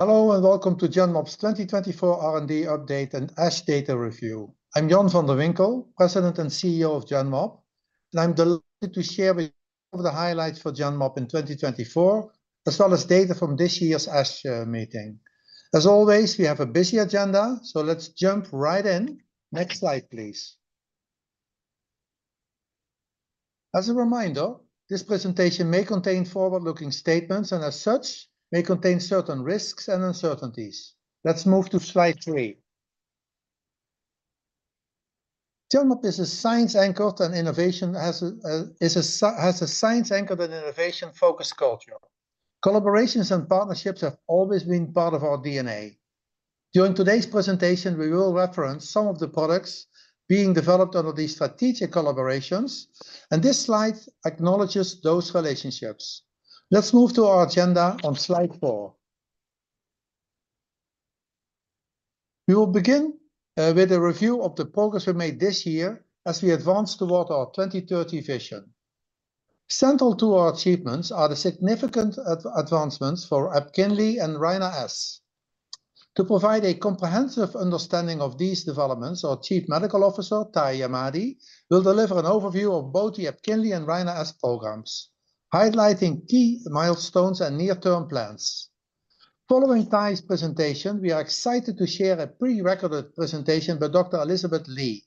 Hello and welcome to Genmab's 2024 R&D update and ASH Data Review. I'm Jan van de Winkel, President and CEO of Genmab, and I'm delighted to share with you some of the highlights for Genmab in 2024, as well as data from this year's ASH meeting. As always, we have a busy agenda, so let's jump right in. Next slide, please. As a reminder, this presentation may contain forward-looking statements and, as such, may contain certain risks and uncertainties. Let's move to slide three. Genmab is a science-anchored and innovation-focused culture. Collaborations and partnerships have always been part of our DNA. During today's presentation, we will reference some of the products being developed under these strategic collaborations, and this slide acknowledges those relationships. Let's move to our agenda on slide four. We will begin with a review of the progress we made this year as we advance toward our 2030 vision. Central to our achievements are the significant advancements for Epkinly and Rina-S. To provide a comprehensive understanding of these developments, our Chief Medical Officer, Tahamtan Ahmadi, will deliver an overview of both the Epkinly and Rina-S programs, highlighting key milestones and near-term plans. Following Tahamtan's presentation, we are excited to share a prerecorded presentation by Dr. Elizabeth Lee.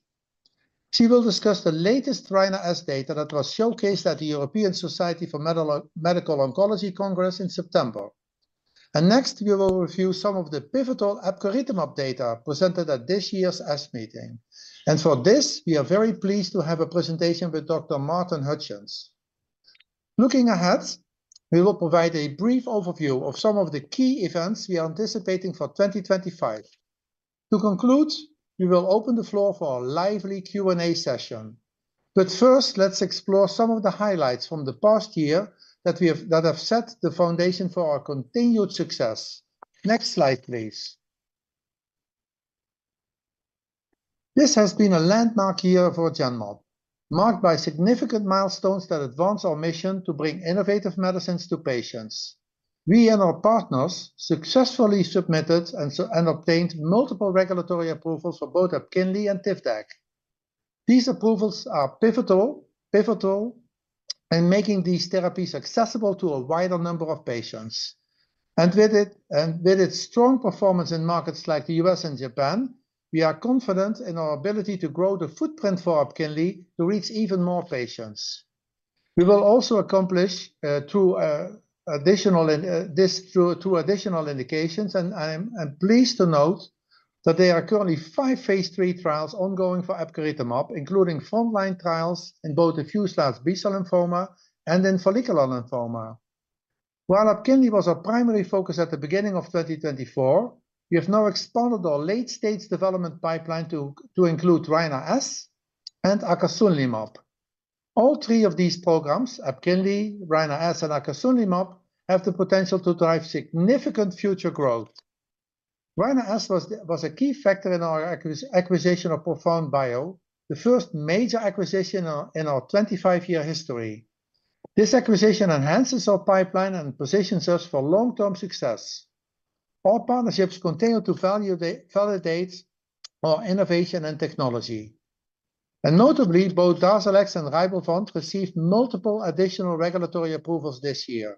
She will discuss the latest Rina-S data that was showcased at the European Society for Medical Oncology Congress in September, and next, we will review some of the pivotal Epkinly data presented at this year's ASH meeting, and for this, we are very pleased to have a presentation with Dr. Martin Hutchings. Looking ahead, we will provide a brief overview of some of the key events we are anticipating for 2025. To conclude, we will open the floor for a lively Q&A session. But first, let's explore some of the highlights from the past year that have set the foundation for our continued success. Next slide, please. This has been a landmark year for Genmab, marked by significant milestones that advance our mission to bring innovative medicines to patients. We and our partners successfully submitted and obtained multiple regulatory approvals for both Epkinly and Tivdak. These approvals are pivotal in making these therapies accessible to a wider number of patients. And with its strong performance in markets like the U.S. and Japan, we are confident in our ability to grow the footprint for Epkinly to reach even more patients. We will also accomplish two additional indications, and I'm pleased to note that there are currently five phase III trials ongoing for Epkinly, including frontline trials in both diffuse large B-cell lymphoma and in follicular lymphoma. While Epkinly was our primary focus at the beginning of 2024, we have now expanded our late-stage development pipeline to include Rina-S and acasunlimab. All three of these programs, Epkinly, Rina-S, and acasunlimab, have the potential to drive significant future growth. Rina-S was a key factor in our acquisition of ProfoundBio, the first major acquisition in our 25-year history. This acquisition enhances our pipeline and positions us for long-term success. Our partnerships continue to validate our innovation and technology, and notably, both Darzalex and Rybrevant received multiple additional regulatory approvals this year.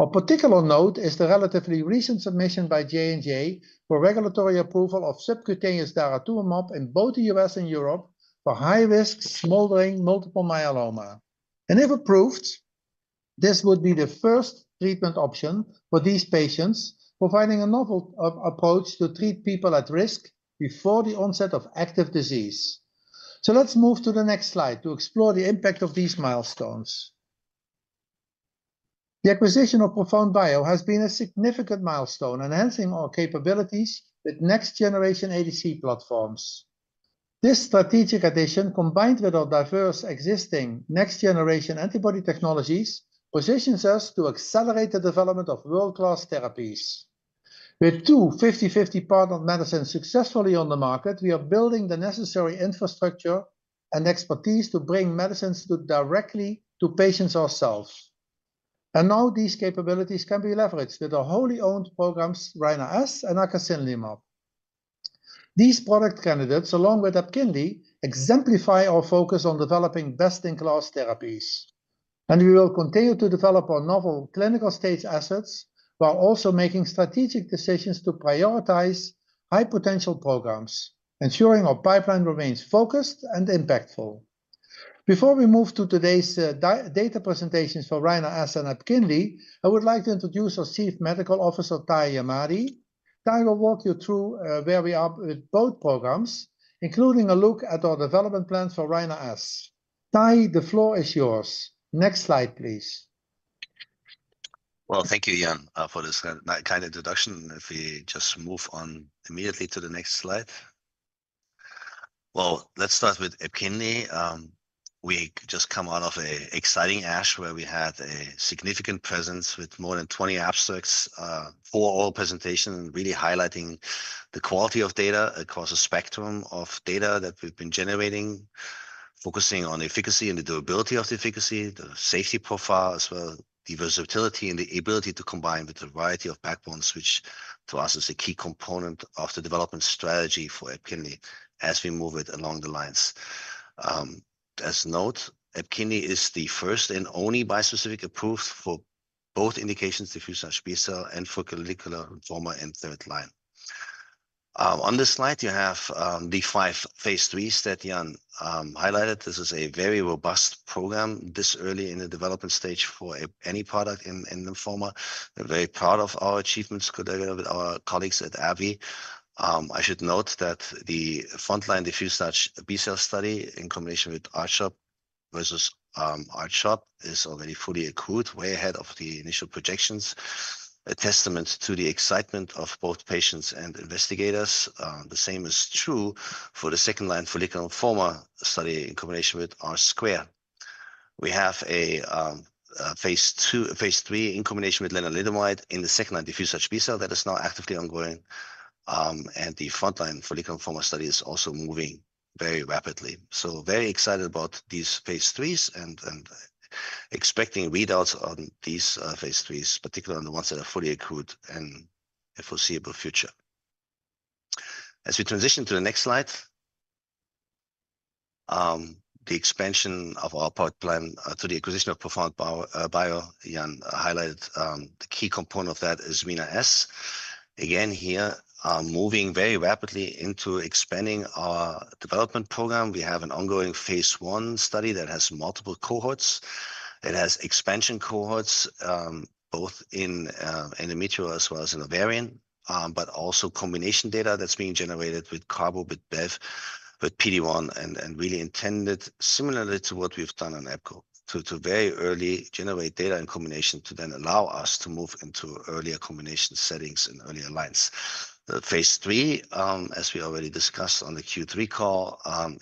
A particular note is the relatively recent submission by J&J for regulatory approval of subcutaneous daratumumab in both the U.S. and Europe for high-risk smoldering multiple myeloma, and if approved, this would be the first treatment option for these patients, providing a novel approach to treat people at risk before the onset of active disease, so let's move to the next slide to explore the impact of these milestones. The acquisition of ProfoundBio has been a significant milestone, enhancing our capabilities with next-generation ADC platforms. This strategic addition, combined with our diverse existing next-generation antibody technologies, positions us to accelerate the development of world-class therapies. With two 50/50 partnered medicines successfully on the market, we are building the necessary infrastructure and expertise to bring medicines directly to patients ourselves, and now these capabilities can be leveraged with our wholly owned programs, Rina-S and acasunlimab. These product candidates, along with Epkinly, exemplify our focus on developing best-in-class therapies, and we will continue to develop our novel clinical stage assets while also making strategic decisions to prioritize high-potential programs, ensuring our pipeline remains focused and impactful. Before we move to today's data presentations for Rina-S and Epkinly, I would like to introduce our Chief Medical Officer, Tahi Ahmadi. Tahi, the floor is yours. Next slide, please. Thank you, Jan, for this kind introduction. If we just move on immediately to the next slide. Let's start with Epkinly. We just come out of an exciting ASH where we had a significant presence with more than 20 abstracts for our presentation, really highlighting the quality of data across a spectrum of data that we've been generating, focusing on the efficacy and the durability of the efficacy, the safety profile as well, the versatility and the ability to combine with a variety of backbones, which to us is a key component of the development strategy for Epkinly as we move it along the lines. As a note, Epkinly is the first and only bispecific approved for both indications, diffuse large B-cell, and for follicular lymphoma in third line. On this slide, you have the five phase III that Jan highlighted. This is a very robust program this early in the development stage for any product in lymphoma. We're very proud of our achievements together with our colleagues at AbbVie. I should note that the frontline diffuse large B-cell study in combination with R-CHOP versus R-CHOP is already fully accrued, way ahead of the initial projections, a testament to the excitement of both patients and investigators. The same is true for the second line follicular lymphoma study in combination with R-squared. We have a phase III in combination with lenalidomide in the second line diffuse large B-cell that is now actively ongoing. The frontline follicular lymphoma study is also moving very rapidly. Very excited about these phase IIIs and expecting readouts on these phase IIIs, particularly on the ones that are fully accrued in the foreseeable future. As we transition to the next slide, the expansion of our pipeline to the acquisition of ProfoundBio, Jan highlighted the key component of that is Rina-S. Again, we're moving very rapidly into expanding our development program. We have an ongoing phase I study that has multiple cohorts. It has expansion cohorts both in endometrial as well as in ovarian, but also combination data that's being generated with carbo, with Bev, with PD-1, and really intended similarly to what we've done on Epkinly, to very early generate data in combination to then allow us to move into earlier combination settings and earlier lines. Phase III, as we already discussed on the Q3 call,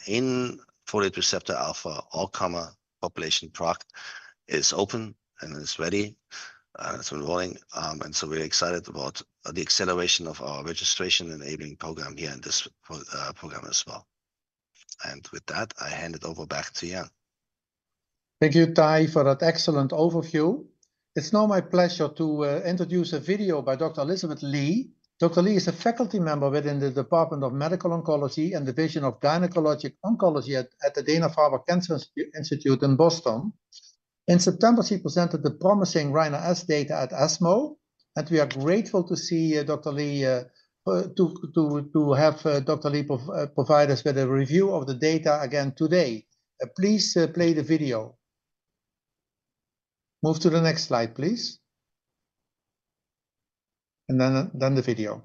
in folate receptor alpha, our high population product is open and is ready. It's rolling. We're excited about the acceleration of our registration enabling program here in this program as well. With that, I hand it over back to Jan. Thank you, Tahi, for that excellent overview. It's now my pleasure to introduce a video by Dr. Elizabeth Lee. Dr. Lee is a faculty member within the Department of Medical Oncology and the Division of Gynecologic Oncology at the Dana-Farber Cancer Institute in Boston. In September, she presented the promising Rina-S data at ESMO. And we are grateful to have Dr. Lee provide us with a review of the data again today. Please play the video. Move to the next slide, please. And then the video.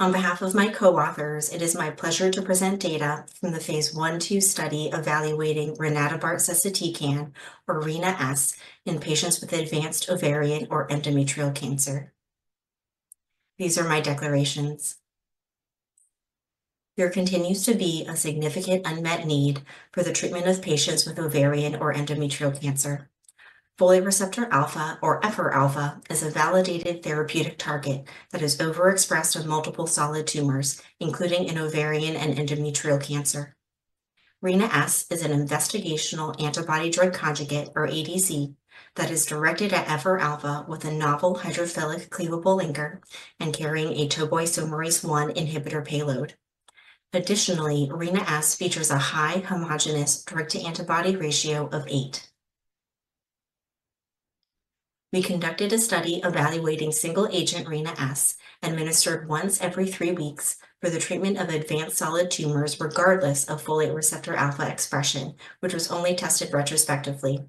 On behalf of my co-authors, it is my pleasure to present data from the phase I/II study evaluating rinatabart sesutecan or Rina-S in patients with advanced ovarian or endometrial cancer. These are my declarations. There continues to be a significant unmet need for the treatment of patients with ovarian or endometrial cancer. Folate receptor alpha or FR alpha is a validated therapeutic target that is overexpressed in multiple solid tumors, including in ovarian and endometrial cancer. Rina-S is an investigational antibody-drug conjugate or ADC that is directed at FR alpha with a novel hydrophilic cleavable linker and carrying a topoisomerase I inhibitor payload. Additionally, Rina-S features a high homogenous drug-to-antibody ratio of eight. We conducted a study evaluating single-agent Rina-S administered once every three weeks for the treatment of advanced solid tumors regardless of folate receptor alpha expression, which was only tested retrospectively.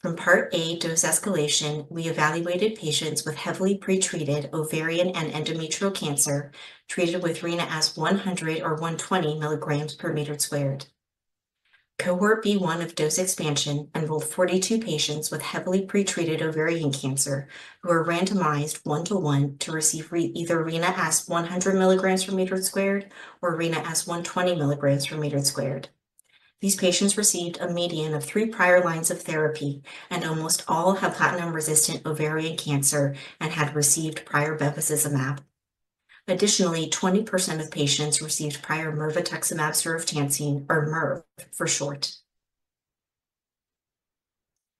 From part A dose escalation, we evaluated patients with heavily pretreated ovarian and endometrial cancer treated with Rina-S 100 or 120 milligrams per meter squared. Cohort B1 of dose expansion involved 42 patients with heavily pretreated ovarian cancer who were randomized one-to-one to receive either Rina-S 100 milligrams per meter squared or Rina-S 120 milligrams per meter squared. These patients received a median of three prior lines of therapy and almost all have platinum-resistant ovarian cancer and had received prior bevacizumab. Additionally, 20% of patients received prior mirvetuximab soravtansine or Mirv for short.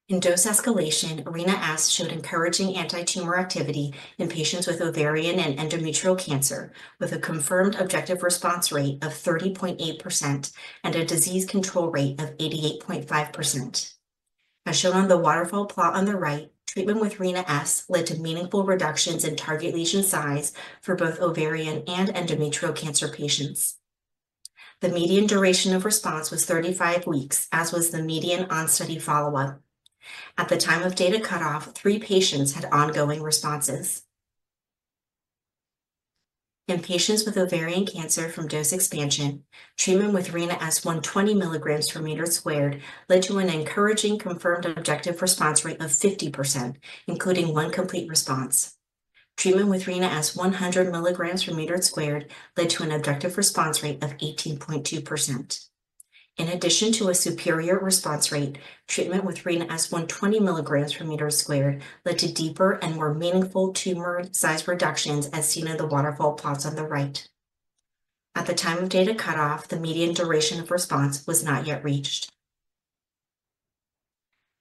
In dose escalation, Rina-S showed encouraging anti-tumor activity in patients with ovarian and endometrial cancer with a confirmed objective response rate of 30.8% and a disease control rate of 88.5%. As shown on the waterfall plot on the right, treatment with Rina-S led to meaningful reductions in target lesion size for both ovarian and endometrial cancer patients. The median duration of response was 35 weeks, as was the median on-study follow-up. At the time of data cutoff, three patients had ongoing responses. In patients with ovarian cancer from dose expansion, treatment with Rina-S 120 milligrams per meter squared led to an encouraging confirmed objective response rate of 50%, including one complete response. Treatment with Rina-S 100 milligrams per meter squared led to an objective response rate of 18.2%. In addition to a superior response rate, treatment with Rina-S 120 milligrams per meter squared led to deeper and more meaningful tumor size reductions as seen in the waterfall plots on the right. At the time of data cutoff, the median duration of response was not yet reached.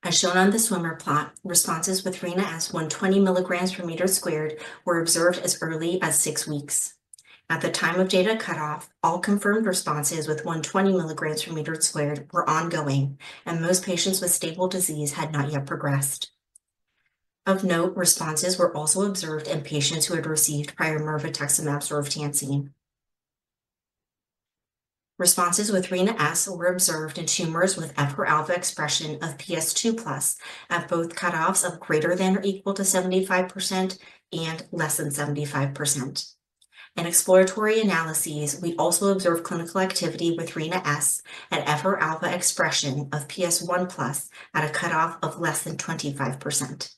As shown on the swimmer plot, responses with Rina-S 120 milligrams per meter squared were observed as early as six weeks. At the time of data cutoff, all confirmed responses with 120 milligrams per meter squared were ongoing, and most patients with stable disease had not yet progressed. Of note, responses were also observed in patients who had received prior mirvetuximab soravtansine. Responses with Rina-S were observed in tumors with FR alpha expression of PS2+ at both cutoffs of greater than or equal to 75% and less than 75%. In exploratory analyses, we also observed clinical activity with Rina-S at FR alpha expression of PS1+ at a cutoff of less than 25%.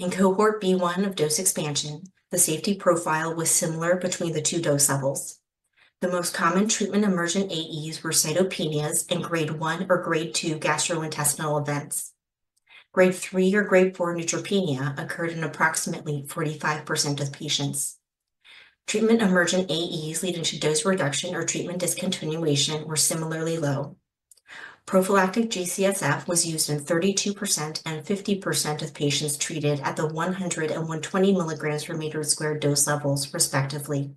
In cohort B1 of dose expansion, the safety profile was similar between the two dose levels. The most common treatment emergent AEs were cytopenias in grade one or grade two gastrointestinal events. Grade three or grade four neutropenia occurred in approximately 45% of patients. Treatment emergent AEs leading to dose reduction or treatment discontinuation were similarly low. Prophylactic G-CSF was used in 32% and 50% of patients treated at the 100 and 120 milligrams per meter squared dose levels, respectively.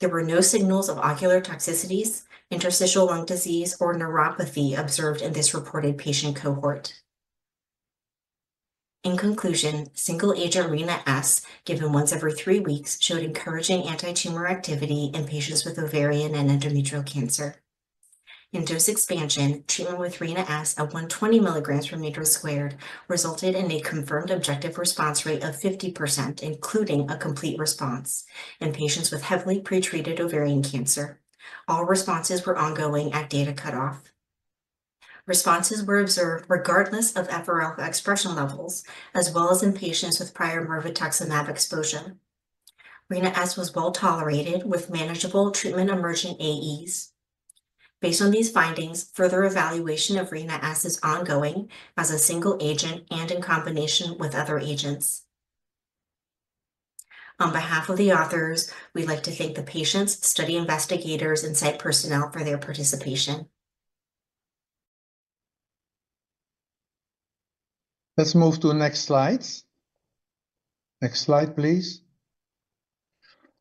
There were no signals of ocular toxicities, interstitial lung disease, or neuropathy observed in this reported patient cohort. In conclusion, single-agent Rina-S given once every three weeks showed encouraging anti-tumor activity in patients with ovarian and endometrial cancer. In dose expansion, treatment with Rina-S at 120 milligrams per meter squared resulted in a confirmed objective response rate of 50%, including a complete response in patients with heavily pretreated ovarian cancer. All responses were ongoing at data cutoff. Responses were observed regardless of FR alpha expression levels, as well as in patients with prior mirvetuximab exposure. Rina-S was well tolerated with manageable treatment emergent AEs. Based on these findings, further evaluation of Rina-S is ongoing as a single agent and in combination with other agents. On behalf of the authors, we'd like to thank the patients, study investigators, and site personnel for their participation. Let's move to the next slides. Next slide, please.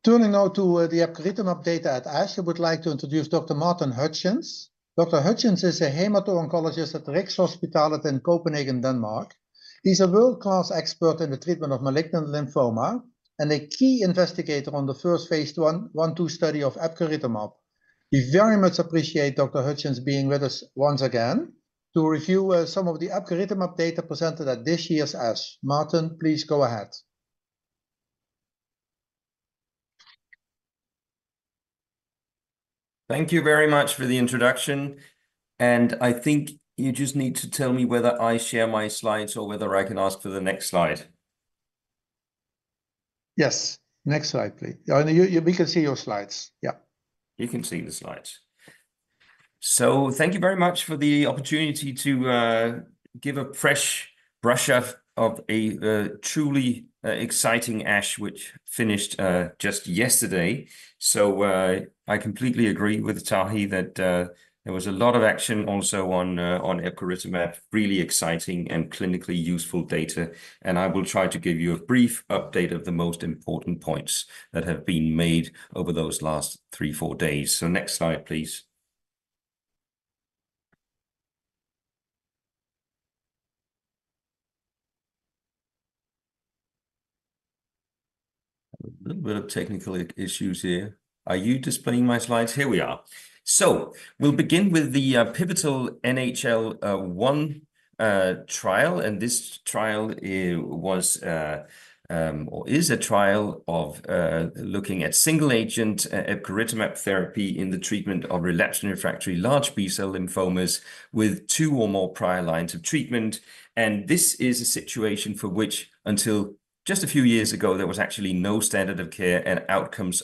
Turning now to the epcoritamab data at ASH, I would like to introduce Dr. Martin Hutchings. Dr. Hutchings is a Hemato-Oncologist at Rigshospitalet in Copenhagen, Denmark. He's a world-class expert in the treatment of malignant lymphoma and a key investigator on the phase I/II study of epcoritamab. We very much appreciate Dr. Hutchings being with us once again to review some of the epcoritamab data presented at this year's ASH. Martin, please go ahead. Thank you very much for the introduction, and I think you just need to tell me whether I share my slides or whether I can ask for the next slide. Yes. Next slide, please. We can see your slides. Yeah. You can see the slides. So thank you very much for the opportunity to give a fresh brush-up on a truly exciting ASH, which finished just yesterday. So I completely agree with Tahi that there was a lot of action also on epcoritamab, really exciting and clinically useful data. And I will try to give you a brief update of the most important points that have been made over those last three, four days. So next slide, please. A little bit of technical issues here. Are you displaying my slides? Here we are. So we'll begin with the pivotal NHL1 trial. And this trial was or is a trial of looking at single-agent epcoritamab therapy in the treatment of relapsed and refractory large B-cell lymphomas with two or more prior lines of treatment. This is a situation for which until just a few years ago, there was actually no standard of care and outcomes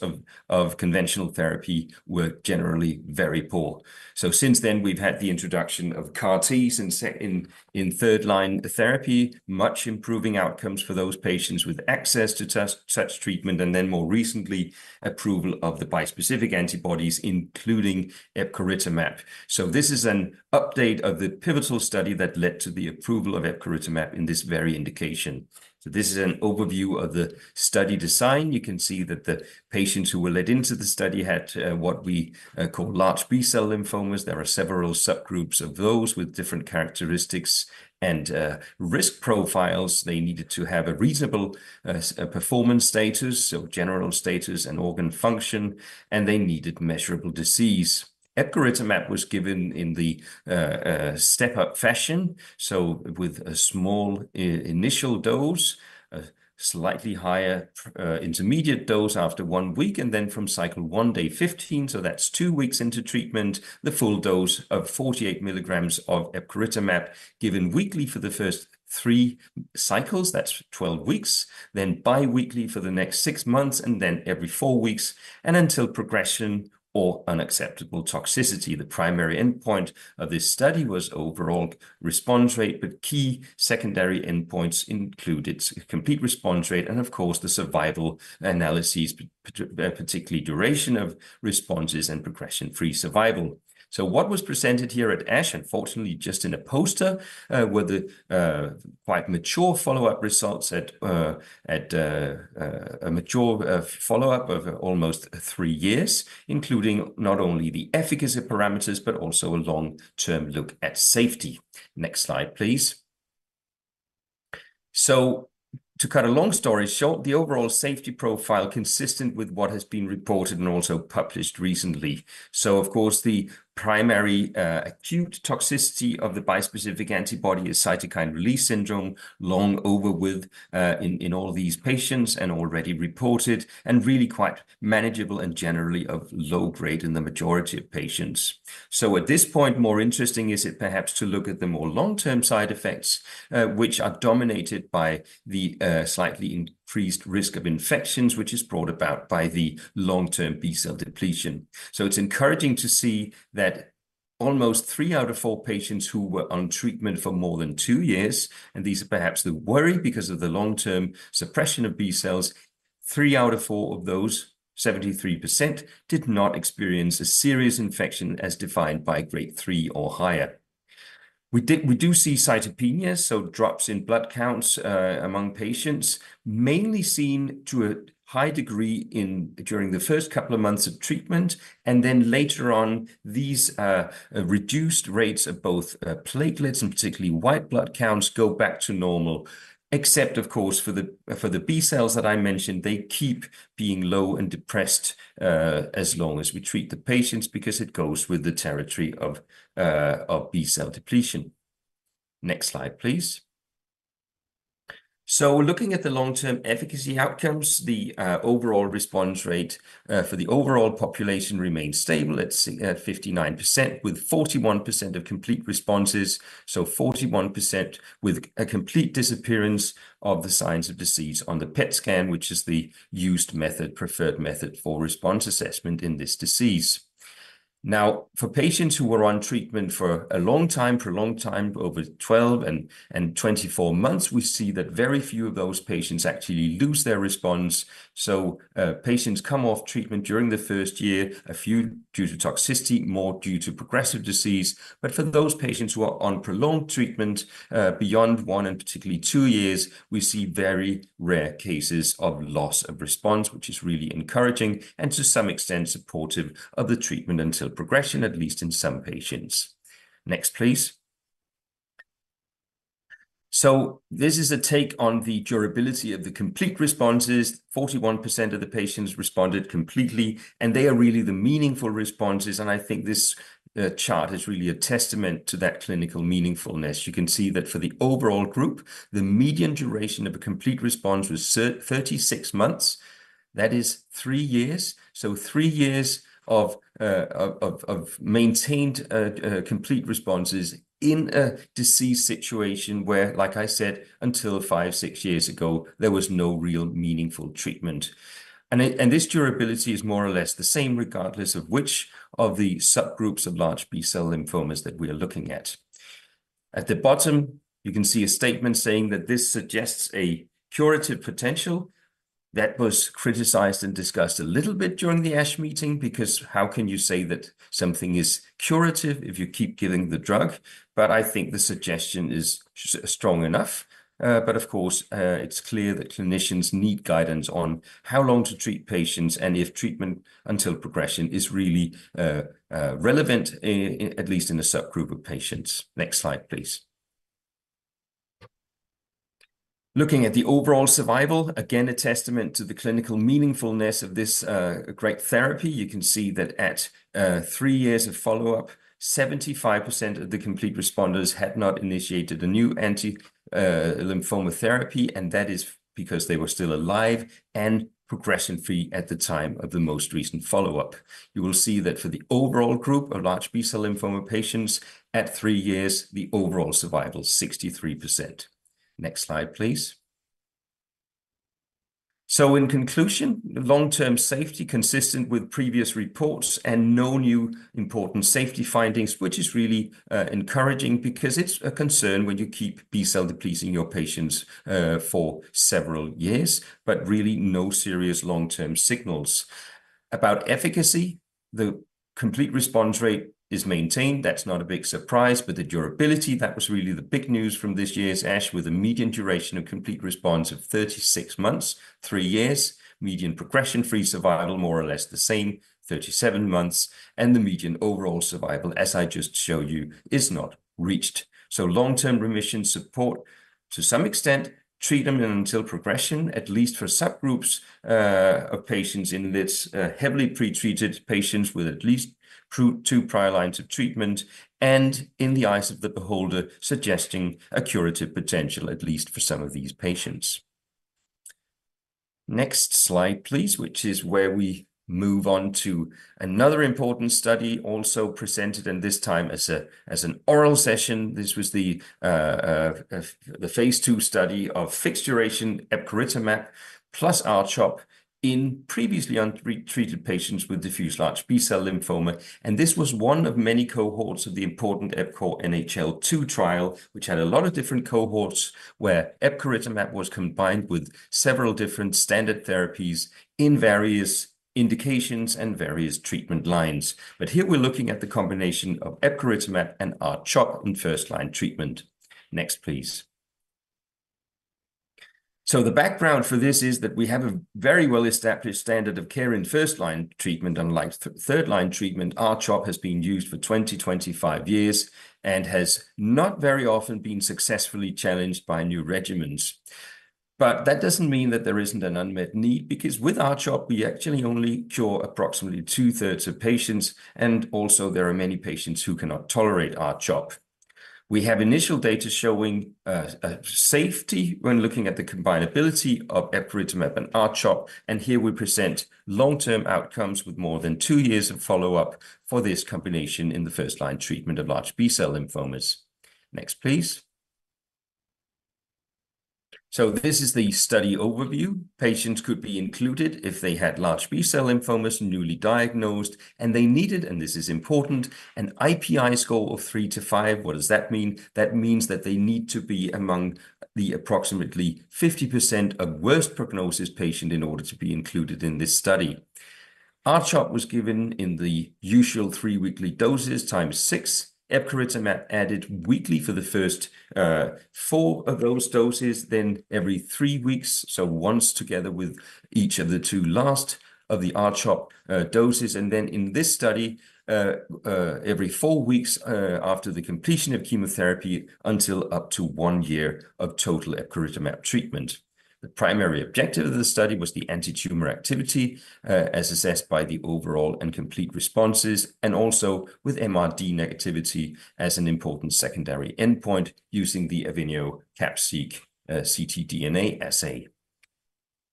of conventional therapy were generally very poor. Since then, we've had the introduction of CAR-Ts in third-line therapy, much improving outcomes for those patients with access to such treatment, and then more recently, approval of the bispecific antibodies, including Epkinly. This is an update of the pivotal study that led to the approval of Epkinly in this very indication. This is an overview of the study design. You can see that the patients who were led into the study had what we call large B-cell lymphomas. There are several subgroups of those with different characteristics and risk profiles. They needed to have a reasonable performance status, so general status and organ function, and they needed measurable disease. Epcoritamab was given in the step-up fashion, so with a small initial dose, a slightly higher intermediate dose after one week, and then from cycle one day 15, so that's two weeks into treatment, the full dose of 48 milligrams of epcoritamab given weekly for the first three cycles, that's 12 weeks, then biweekly for the next six months, and then every four weeks, and until progression or unacceptable toxicity. The primary endpoint of this study was overall response rate, but key secondary endpoints included complete response rate and, of course, the survival analyses, particularly duration of responses and progression-free survival. So what was presented here at ASH, unfortunately, just in a poster, were the quite mature follow-up results at a mature follow-up of almost three years, including not only the efficacy parameters, but also a long-term look at safety. Next slide, please. So to cut a long story short, the overall safety profile is consistent with what has been reported and also published recently. So, of course, the primary acute toxicity of the bispecific antibody is cytokine release syndrome, long over with in all these patients and already reported, and really quite manageable and generally of low grade in the majority of patients. So at this point, more interesting is it perhaps to look at the more long-term side effects, which are dominated by the slightly increased risk of infections, which is brought about by the long-term B-cell depletion. So it's encouraging to see that almost three out of four patients who were on treatment for more than two years, and these are perhaps the worry because of the long-term suppression of B-cells, three out of four of those, 73%, did not experience a serious infection as defined by grade three or higher. We do see cytopenias, so drops in blood counts among patients, mainly seen to a high degree during the first couple of months of treatment. And then later on, these reduced rates of both platelets and particularly white blood counts go back to normal, except, of course, for the B-cells that I mentioned, they keep being low and depressed as long as we treat the patients because it goes with the territory of B-cell depletion. Next slide, please. Looking at the long-term efficacy outcomes, the overall response rate for the overall population remains stable at 59% with 41% of complete responses, so 41% with a complete disappearance of the signs of disease on the PET scan, which is the used method, preferred method for response assessment in this disease. Now, for patients who were on treatment for a long time, prolonged time, over 12 and 24 months, we see that very few of those patients actually lose their response. Patients come off treatment during the first year, a few due to toxicity, more due to progressive disease. For those patients who are on prolonged treatment beyond one and particularly two years, we see very rare cases of loss of response, which is really encouraging and to some extent supportive of the treatment until progression, at least in some patients. Next, please. So this is a take on the durability of the complete responses. 41% of the patients responded completely, and they are really the meaningful responses. And I think this chart is really a testament to that clinical meaningfulness. You can see that for the overall group, the median duration of a complete response was 36 months. That is three years, so three years of maintained complete responses in a disease situation where, like I said, until five, six years ago, there was no real meaningful treatment. And this durability is more or less the same regardless of which of the subgroups of large B-cell lymphomas that we are looking at. At the bottom, you can see a statement saying that this suggests a curative potential. That was criticized and discussed a little bit during the ASH meeting because how can you say that something is curative if you keep giving the drug? But I think the suggestion is strong enough. But of course, it's clear that clinicians need guidance on how long to treat patients and if treatment until progression is really relevant, at least in a subgroup of patients. Next slide, please. Looking at the overall survival, again, a testament to the clinical meaningfulness of this great therapy. You can see that at three years of follow-up, 75% of the complete responders had not initiated a new anti-lymphoma therapy, and that is because they were still alive and progression-free at the time of the most recent follow-up. You will see that for the overall group of large B-cell lymphoma patients at three years, the overall survival, 63%. Next slide, please. In conclusion, long-term safety consistent with previous reports and no new important safety findings, which is really encouraging because it's a concern when you keep B-cell depleting your patients for several years, but really no serious long-term signals. About efficacy, the complete response rate is maintained. That's not a big surprise, but the durability, that was really the big news from this year's ASH with a median duration of complete response of 36 months, three years, median progression-free survival, more or less the same, 37 months, and the median overall survival, as I just showed you, is not reached. Long-term remission support to some extent, treatment until progression, at least for subgroups of patients in this heavily pretreated patients with at least two prior lines of treatment, and in the eyes of the beholder, suggesting a curative potential at least for some of these patients. Next slide, please, which is where we move on to another important study also presented, and this time as an oral session. This was the phase II study of fixed duration epcoritamab+ R-CHOP in previously untreated patients with diffuse large B-cell lymphoma. And this was one of many cohorts of the important EPCORE NHL-2 trial, which had a lot of different cohorts where epcoritamab was combined with several different standard therapies in various indications and various treatment lines. But here we're looking at the combination of epcoritamab and R-CHOP in first-line treatment. Next, please. So the background for this is that we have a very well-established standard of care in first-line treatment, unlike third-line treatment. R-CHOP has been used for 20, 25 years and has not very often been successfully challenged by new regimens. But that doesn't mean that there isn't an unmet need because with R-CHOP, we actually only cure approximately two-thirds of patients, and also there are many patients who cannot tolerate R-CHOP. We have initial data showing safety when looking at the combinability of epcoritamab and R-CHOP, and here we present long-term outcomes with more than two years of follow-up for this combination in the first-line treatment of large B-cell lymphomas. Next, please. So this is the study overview. Patients could be included if they had large B-cell lymphomas newly diagnosed, and they needed, and this is important, an IPI score of three to five. What does that mean? That means that they need to be among the approximately 50% of worst prognosis patients in order to be included in this study. R-CHOP was given in the usual three-weekly doses times six. Epcoritamab added weekly for the first four of those doses, then every three weeks, so once together with each of the two last of the R-CHOP doses. And then in this study, every four weeks after the completion of chemotherapy until up to one year of total epcoritamab treatment. The primary objective of the study was the anti-tumor activity as assessed by the overall and complete responses, and also with MRD negativity as an important secondary endpoint using the AVENIO ctDNA assay.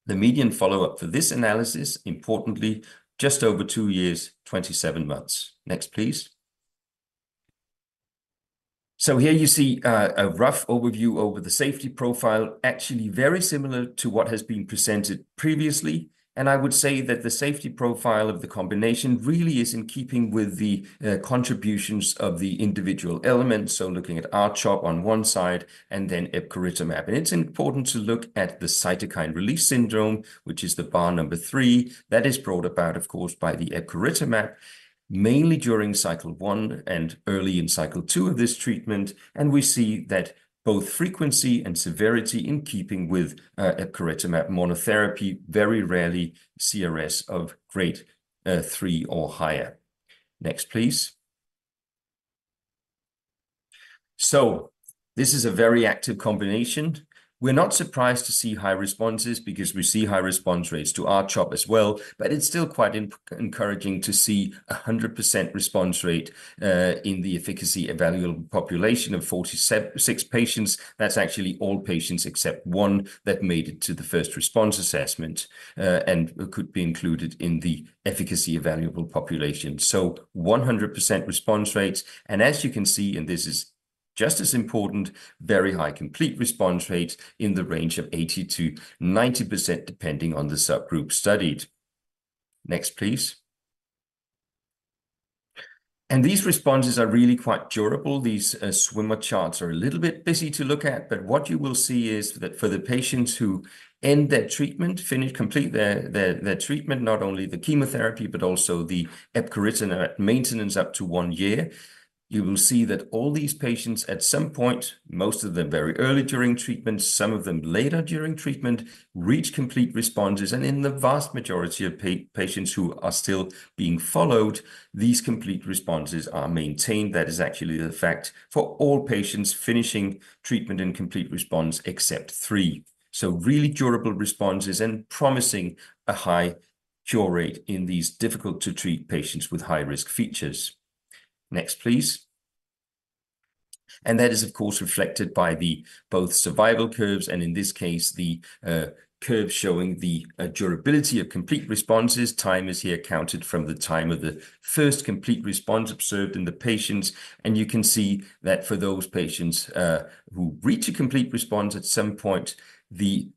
The median follow-up for this analysis, importantly, just over two years, 27 months. Next, please. So here you see a rough overview over the safety profile, actually very similar to what has been presented previously. And I would say that the safety profile of the combination really is in keeping with the contributions of the individual elements. So looking at R-CHOP on one side and then epcoritamab. And it's important to look at the cytokine release syndrome, which is the bar number three that is brought about, of course, by the epcoritamab mainly during cycle one and early in cycle two of this treatment. And we see that both frequency and severity in keeping with epcoritamab monotherapy, very rarely CRS of grade three or higher. Next, please. So this is a very active combination. We're not surprised to see high responses because we see high response rates to R-CHOP as well, but it's still quite encouraging to see a 100% response rate in the efficacy evaluable population of 46 patients. That's actually all patients except one that made it to the first response assessment and could be included in the efficacy evaluable population. So 100% response rates. As you can see, and this is just as important, very high complete response rates in the range of 80%-90% depending on the subgroup studied. Next, please. These responses are really quite durable. These Swimmer plots are a little bit busy to look at, but what you will see is that for the patients who end their treatment, finish complete their treatment, not only the chemotherapy, but also the Epkinly maintenance up to one year, you will see that all these patients at some point, most of them very early during treatment, some of them later during treatment, reach complete responses. And in the vast majority of patients who are still being followed, these complete responses are maintained. That is actually the fact for all patients finishing treatment and complete response except three. So really durable responses and promising a high cure rate in these difficult-to-treat patients with high-risk features. Next, please. And that is, of course, reflected by the both survival curves and in this case, the curve showing the durability of complete responses. Time is here counted from the time of the first complete response observed in the patients. And you can see that for those patients who reach a complete response at some point, the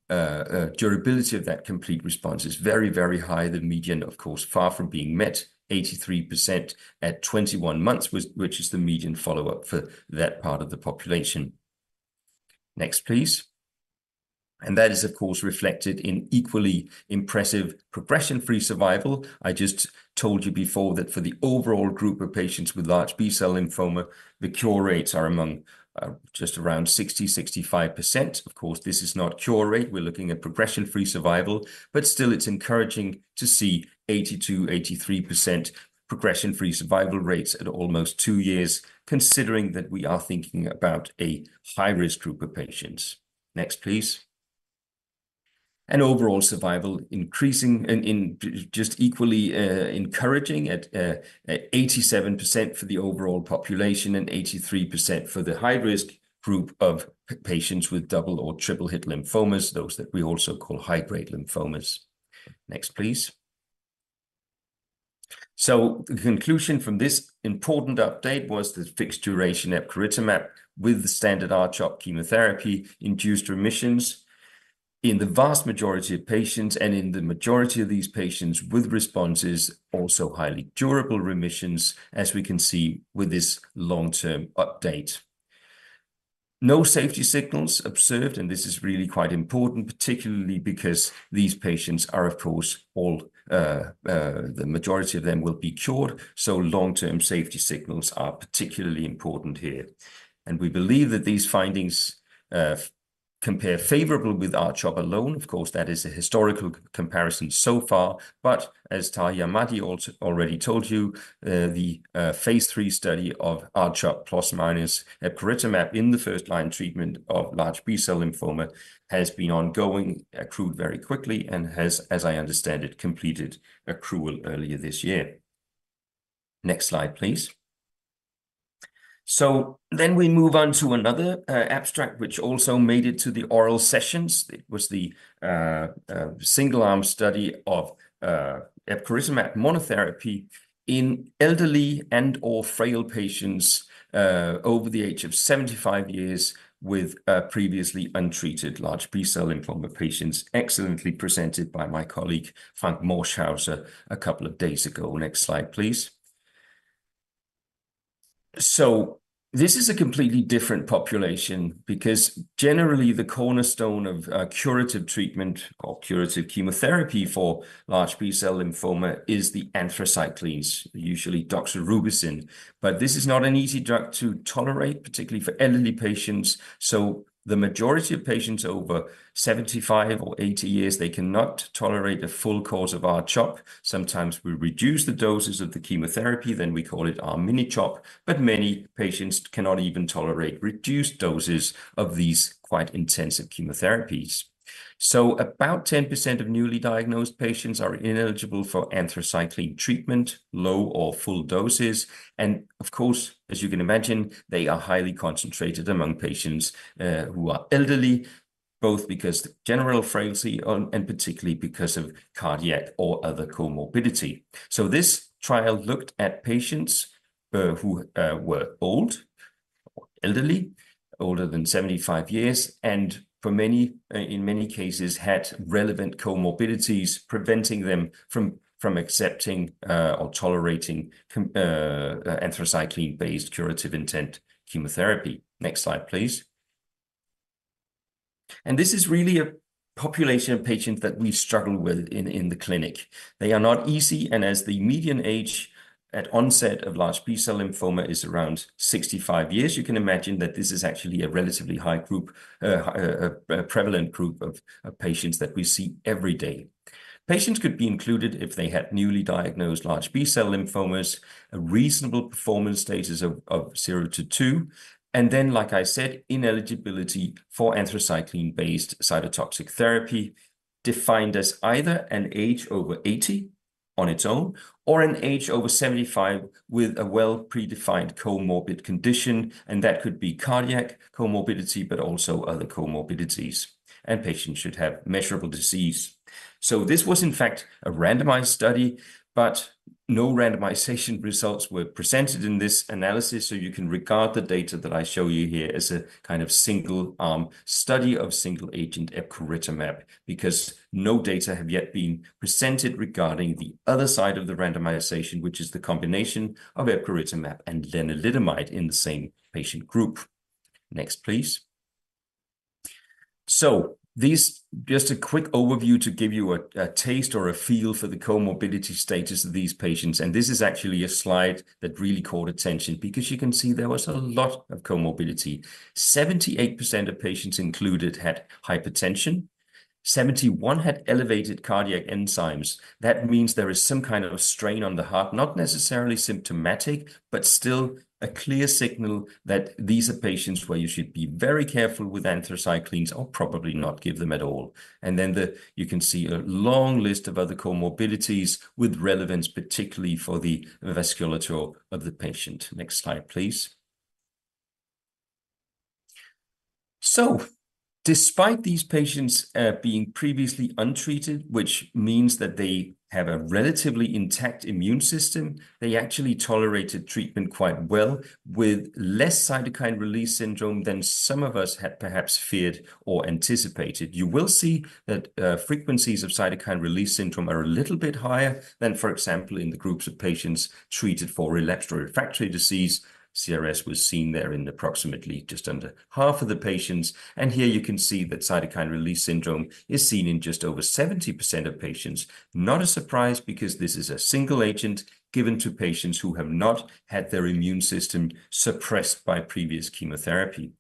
durability of that complete response is very, very high. The median, of course, far from being met, 83% at 21 months, which is the median follow-up for that part of the population. Next, please. And that is, of course, reflected in equally impressive progression-free survival. I just told you before that for the overall group of patients with large B-cell lymphoma, the cure rates are among just around 60%-65%. Of course, this is not cure rate. We're looking at progression-free survival, but still it's encouraging to see 82%-83% progression-free survival rates at almost two years, considering that we are thinking about a high-risk group of patients. Next, please. And overall survival increasing and just equally encouraging at 87% for the overall population and 83% for the high-risk group of patients with double or triple hit lymphomas, those that we also call high-grade lymphomas. Next, please. So the conclusion from this important update was the fixed duration epcoritamab with the standard R-CHOP chemotherapy induced remissions in the vast majority of patients and in the majority of these patients with responses, also highly durable remissions as we can see with this long-term update. No safety signals observed, and this is really quite important, particularly because these patients are, of course, all the majority of them will be cured. Long-term safety signals are particularly important here. We believe that these findings compare favorably with R-CHOP alone. Of course, that is a historical comparison so far, but as Tahi Ahmadi already told you, the phase III study of R-CHOP+ or minus epcoritamab in the first-line treatment of large B-cell lymphoma has been ongoing, accrued very quickly, and has, as I understand it, completed accrual earlier this year. Next slide, please. Then we move on to another abstract, which also made it to the oral sessions. It was the single-arm study of epcoritamab monotherapy in elderly and/or frail patients over the age of 75 years with previously untreated large B-cell lymphoma, excellently presented by my colleague Franck Morschhauser a couple of days ago. Next slide, please. So this is a completely different population because generally the cornerstone of curative treatment or curative chemotherapy for large B-cell lymphoma is the anthracyclines, usually doxorubicin. But this is not an easy drug to tolerate, particularly for elderly patients. So the majority of patients over 75 or 80 years, they cannot tolerate a full course of R-CHOP. Sometimes we reduce the doses of the chemotherapy, then we call it our mini-CHOP, but many patients cannot even tolerate reduced doses of these quite intensive chemotherapies. So about 10% of newly diagnosed patients are ineligible for anthracycline treatment, low or full doses. And of course, as you can imagine, they are highly concentrated among patients who are elderly, both because of general frailty and particularly because of cardiac or other comorbidity. This trial looked at patients who were old, elderly, older than 75 years, and for many, in many cases, had relevant comorbidities preventing them from accepting or tolerating anthracycline-based curative intent chemotherapy. Next slide, please. This is really a population of patients that we struggle with in the clinic. They are not easy, and as the median age at onset of large B-cell lymphoma is around 65 years, you can imagine that this is actually a relatively high group, a prevalent group of patients that we see every day. Patients could be included if they had newly diagnosed large B-cell lymphomas, a reasonable performance status of zero to two, and then, like I said, ineligibility for anthracycline-based cytotoxic therapy defined as either an age over 80 on its own or an age over 75 with a well-predefined comorbid condition, and that could be cardiac comorbidity, but also other comorbidities, and patients should have measurable disease, so this was, in fact, a randomized study, but no randomization results were presented in this analysis, so you can regard the data that I show you here as a kind of single-arm study of single-agent epcoritamab because no data have yet been presented regarding the other side of the randomization, which is the combination of epcoritamab and lenalidomide in the same patient group. Next, please. This is just a quick overview to give you a taste or a feel for the comorbidity status of these patients. This is actually a slide that really caught attention because you can see there was a lot of comorbidity. 78% of patients included had hypertension. 71% had elevated cardiac enzymes. That means there is some kind of strain on the heart, not necessarily symptomatic, but still a clear signal that these are patients where you should be very careful with anthracyclines or probably not give them at all. Then you can see a long list of other comorbidities with relevance, particularly for the vasculature of the patient. Next slide, please. Despite these patients being previously untreated, which means that they have a relatively intact immune system, they actually tolerated treatment quite well with less cytokine release syndrome than some of us had perhaps feared or anticipated. You will see that frequencies of cytokine release syndrome are a little bit higher than, for example, in the groups of patients treated for relapsed refractory disease. CRS was seen there in approximately just under half of the patients. And here you can see that cytokine release syndrome is seen in just over 70% of patients. Not a surprise because this is a single agent given to patients who have not had their immune system suppressed by previous chemotherapy.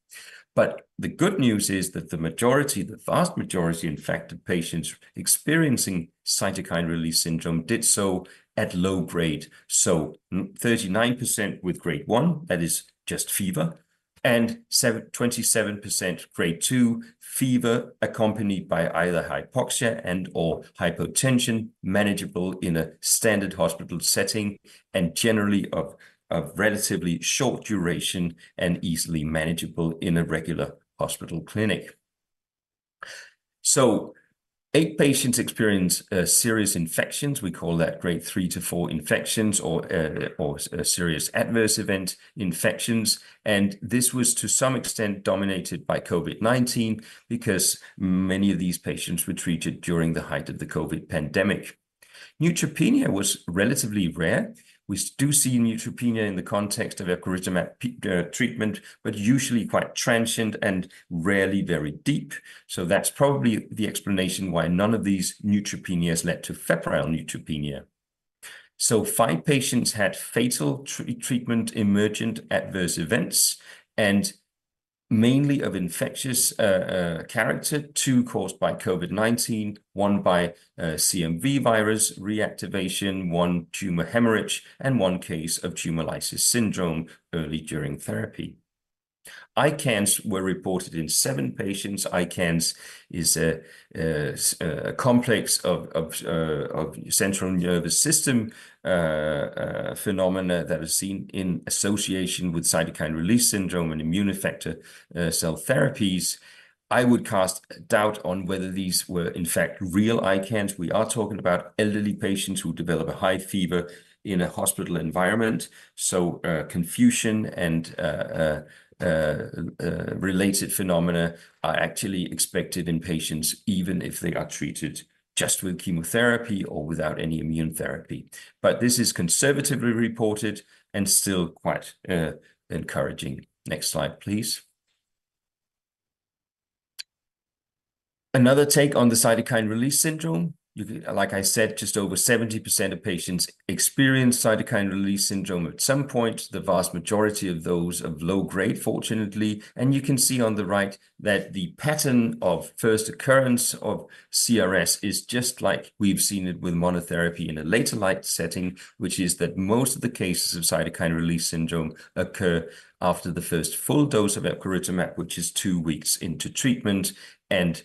But the good news is that the majority, the vast majority, in fact, of patients experiencing cytokine release syndrome did so at low grade. 39% with grade one, that is just fever, and 27% grade two fever accompanied by either hypoxia and/or hypotension, manageable in a standard hospital setting and generally of relatively short duration and easily manageable in a regular hospital clinic. Eight patients experience serious infections. We call that grade three to four infections or serious adverse event infections. This was to some extent dominated by COVID-19 because many of these patients were treated during the height of the COVID pandemic. Neutropenia was relatively rare. We do see neutropenia in the context of epcoritamab treatment, but usually quite transient and rarely very deep. That's probably the explanation why none of these neutropenias led to febrile neutropenia. Five patients had fatal treatment emergent adverse events and mainly of infectious character, two caused by COVID-19, one by CMV virus reactivation, one tumor hemorrhage, and one case of tumor lysis syndrome early during therapy. ICANS were reported in seven patients. ICANS is a complex of central nervous system phenomena that is seen in association with cytokine release syndrome and immune effector cell therapies. I would cast doubt on whether these were in fact real ICANS. We are talking about elderly patients who develop a high fever in a hospital environment. Confusion and related phenomena are actually expected in patients even if they are treated just with chemotherapy or without any immune therapy. This is conservatively reported and still quite encouraging. Next slide, please. Another take on the cytokine release syndrome, like I said, just over 70% of patients experience cytokine release syndrome at some point. The vast majority of those of low grade, fortunately. And you can see on the right that the pattern of first occurrence of CRS is just like we've seen it with monotherapy in a later line setting, which is that most of the cases of cytokine release syndrome occur after the first full dose of epcoritamab, which is two weeks into treatment. And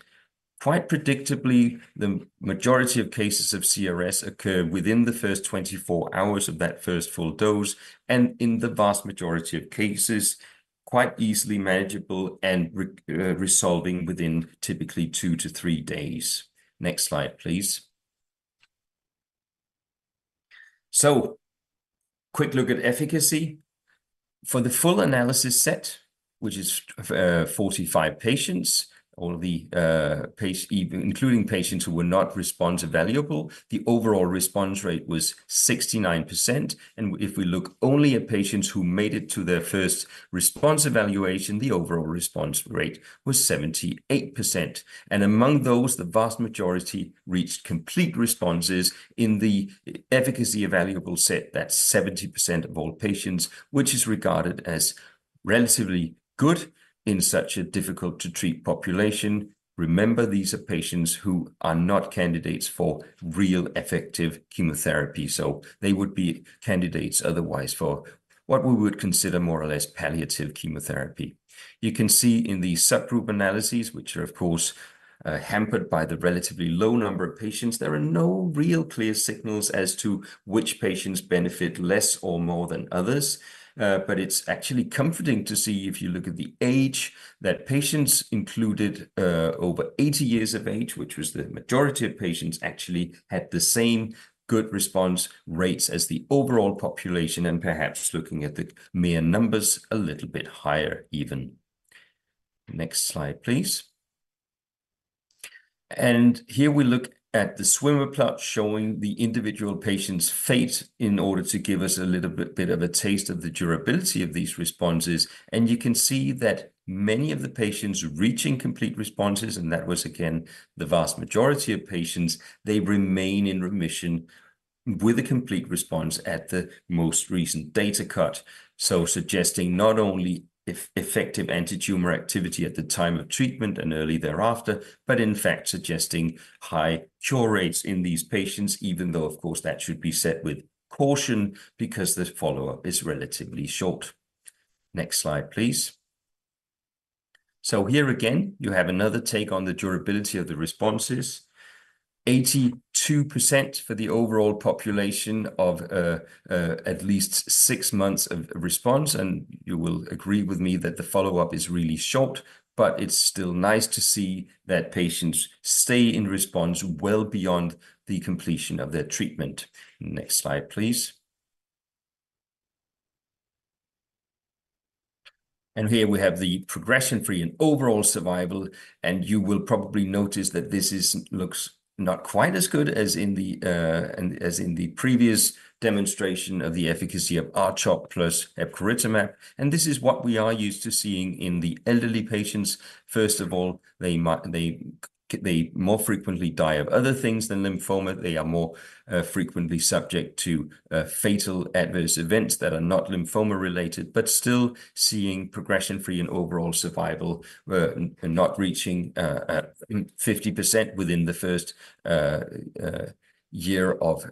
quite predictably, the majority of cases of CRS occur within the first 24 hours of that first full dose. And in the vast majority of cases, quite easily manageable and resolving within typically two to three days. Next slide, please. So quick look at efficacy. For the full analysis set, which is 45 patients, all of the patients, including patients who were not response evaluable, the overall response rate was 69%. And if we look only at patients who made it to their first response evaluation, the overall response rate was 78%. And among those, the vast majority reached complete responses in the efficacy evaluable set. That's 70% of all patients, which is regarded as relatively good in such a difficult-to-treat population. Remember, these are patients who are not candidates for real effective chemotherapy. So they would be candidates otherwise for what we would consider more or less palliative chemotherapy. You can see in the subgroup analyses, which are, of course, hampered by the relatively low number of patients, there are no real clear signals as to which patients benefit less or more than others. But it's actually comforting to see if you look at the age that patients included over 80 years of age, which was the majority of patients actually had the same good response rates as the overall population and perhaps looking at the mere numbers a little bit higher even. Next slide, please. And here we look at the swimmer plot showing the individual patient's fate in order to give us a little bit of a taste of the durability of these responses. And you can see that many of the patients reaching complete responses, and that was again the vast majority of patients, they remain in remission with a complete response at the most recent data cut. Suggesting not only effective anti-tumor activity at the time of treatment and early thereafter, but in fact suggesting high cure rates in these patients, even though, of course, that should be said with caution because the follow-up is relatively short. Next slide, please. So here again, you have another take on the durability of the responses. 82% for the overall population of at least six months of response. And you will agree with me that the follow-up is really short, but it's still nice to see that patients stay in response well beyond the completion of their treatment. Next slide, please. And here we have the progression-free and overall survival. And you will probably notice that this looks not quite as good as in the previous demonstration of the efficacy of R-CHOP+ epcoritamab. And this is what we are used to seeing in the elderly patients. First of all, they more frequently die of other things than lymphoma. They are more frequently subject to fatal adverse events that are not lymphoma-related, but still seeing progression-free and overall survival and not reaching 50% within the first year of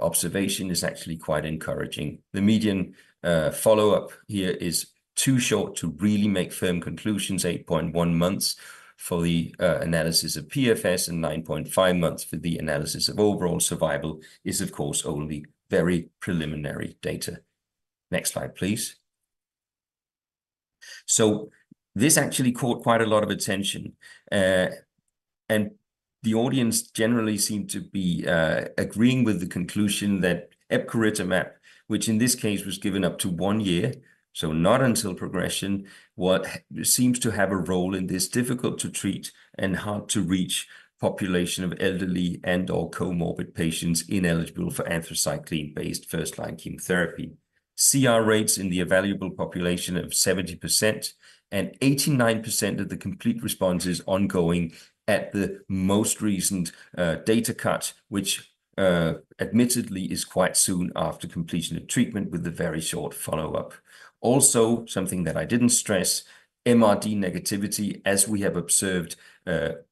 observation is actually quite encouraging. The median follow-up here is too short to really make firm conclusions. 8.1 months for the analysis of PFS and 9.5 months for the analysis of overall survival is, of course, only very preliminary data. Next slide, please, so this actually caught quite a lot of attention, and the audience generally seemed to be agreeing with the conclusion that epcoritamab, which in this case was given up to one year, so not until progression, what seems to have a role in this difficult-to-treat and hard-to-reach population of elderly and/or comorbid patients ineligible for anthracycline-based first-line chemotherapy. CR rates in the evaluable population of 70% and 89% of the complete responses ongoing at the most recent data cut, which admittedly is quite soon after completion of treatment with the very short follow-up. Also, something that I didn't stress, MRD negativity, as we have observed,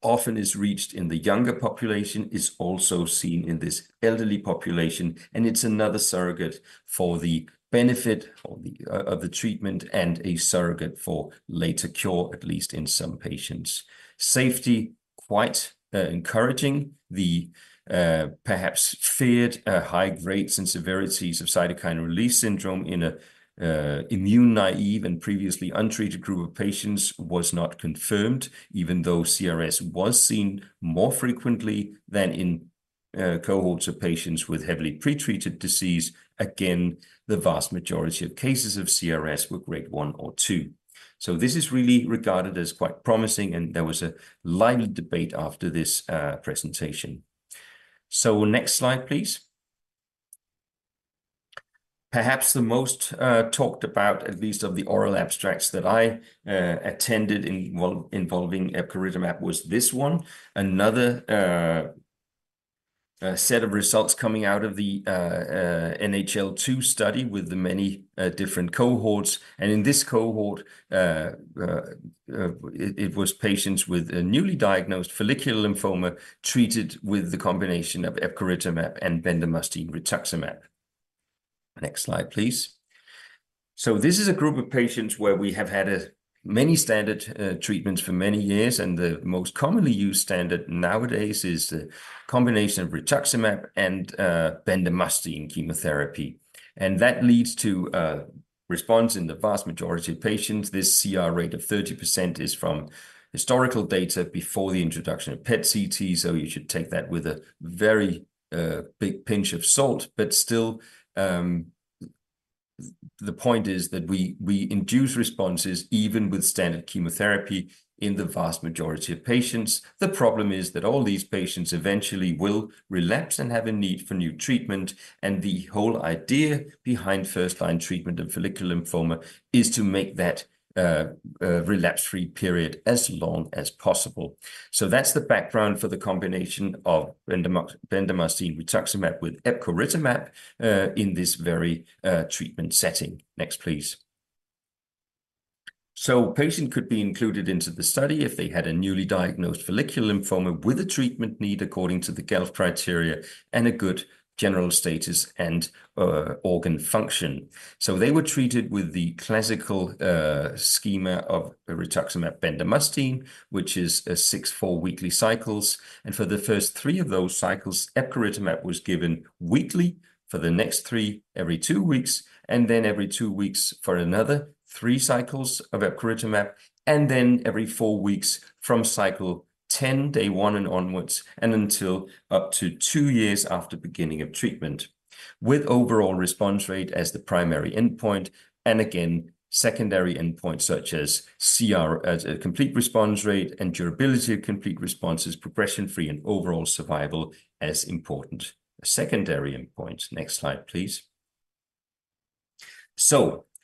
often is reached in the younger population, is also seen in this elderly population, and it's another surrogate for the benefit of the treatment and a surrogate for later cure, at least in some patients. Safety, quite encouraging. The perhaps feared high rates and severities of cytokine release syndrome in an immune-naive and previously untreated group of patients was not confirmed, even though CRS was seen more frequently than in cohorts of patients with heavily pretreated disease. Again, the vast majority of cases of CRS were grade one or two. So this is really regarded as quite promising, and there was a lively debate after this presentation. So next slide, please. Perhaps the most talked about, at least of the oral abstracts that I attended involving epcoritamab, was this one. Another set of results coming out of the NHL2 study with the many different cohorts. And in this cohort, it was patients with a newly diagnosed follicular lymphoma treated with the combination of epcoritamab and bendamustine rituximab. Next slide, please. So this is a group of patients where we have had many standard treatments for many years. And the most commonly used standard nowadays is the combination of rituximab and bendamustine chemotherapy. And that leads to response in the vast majority of patients. This CR rate of 30% is from historical data before the introduction of PET-CT. So you should take that with a very big pinch of salt. But still, the point is that we induce responses even with standard chemotherapy in the vast majority of patients. The problem is that all these patients eventually will relapse and have a need for new treatment. And the whole idea behind first-line treatment of follicular lymphoma is to make that relapse-free period as long as possible. So that's the background for the combination of bendamustine rituximab with epcoritamab in this very treatment setting. Next, please. So patients could be included into the study if they had a newly diagnosed follicular lymphoma with a treatment need according to the GELF criteria and a good general status and organ function. So they were treated with the classical schema of rituximab-bendamustine, which is six four-weekly cycles. And for the first three of those cycles, epcoritamab was given weekly. For the next three, every two weeks, and then every two weeks for another three cycles of Epkinly, and then every four weeks from cycle 10, day one and onwards, and until up to two years after beginning of treatment, with overall response rate as the primary endpoint, and again, secondary endpoints such as complete response rate and durability of complete responses, progression-free and overall survival as important secondary endpoints. Next slide, please.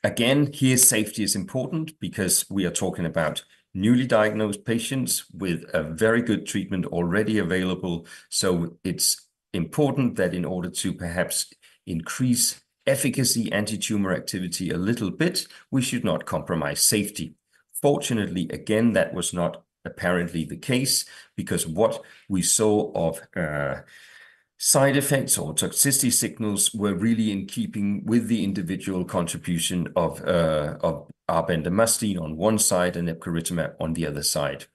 Again, here safety is important because we are talking about newly diagnosed patients with a very good treatment already available. So it's important that in order to perhaps increase efficacy anti-tumor activity a little bit, we should not compromise safety. Fortunately, again, that was not apparently the case because what we saw of side effects or toxicity signals were really in keeping with the individual contribution of bendamustine on one side and epcoritamab on the other side.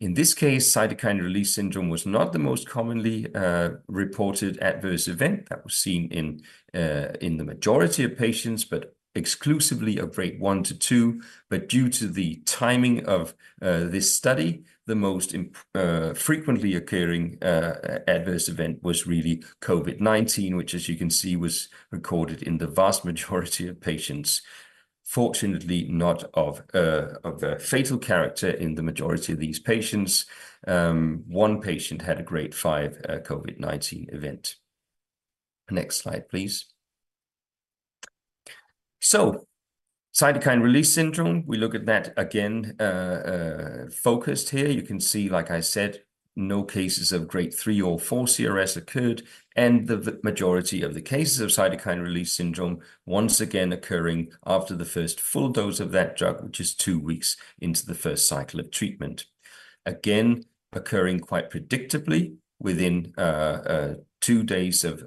In this case, cytokine release syndrome was not the most commonly reported adverse event that was seen in the majority of patients, but exclusively of grade one to two. But due to the timing of this study, the most frequently occurring adverse event was really COVID-19, which, as you can see, was recorded in the vast majority of patients. Fortunately, not of a fatal character in the majority of these patients. One patient had a grade five COVID-19 event. Next slide, please. So cytokine release syndrome, we look at that again focused here. You can see, like I said, no cases of grade three or four CRS occurred. The majority of the cases of cytokine release syndrome, once again, occurring after the first full dose of that drug, which is two weeks into the first cycle of treatment. Again, occurring quite predictably within two days of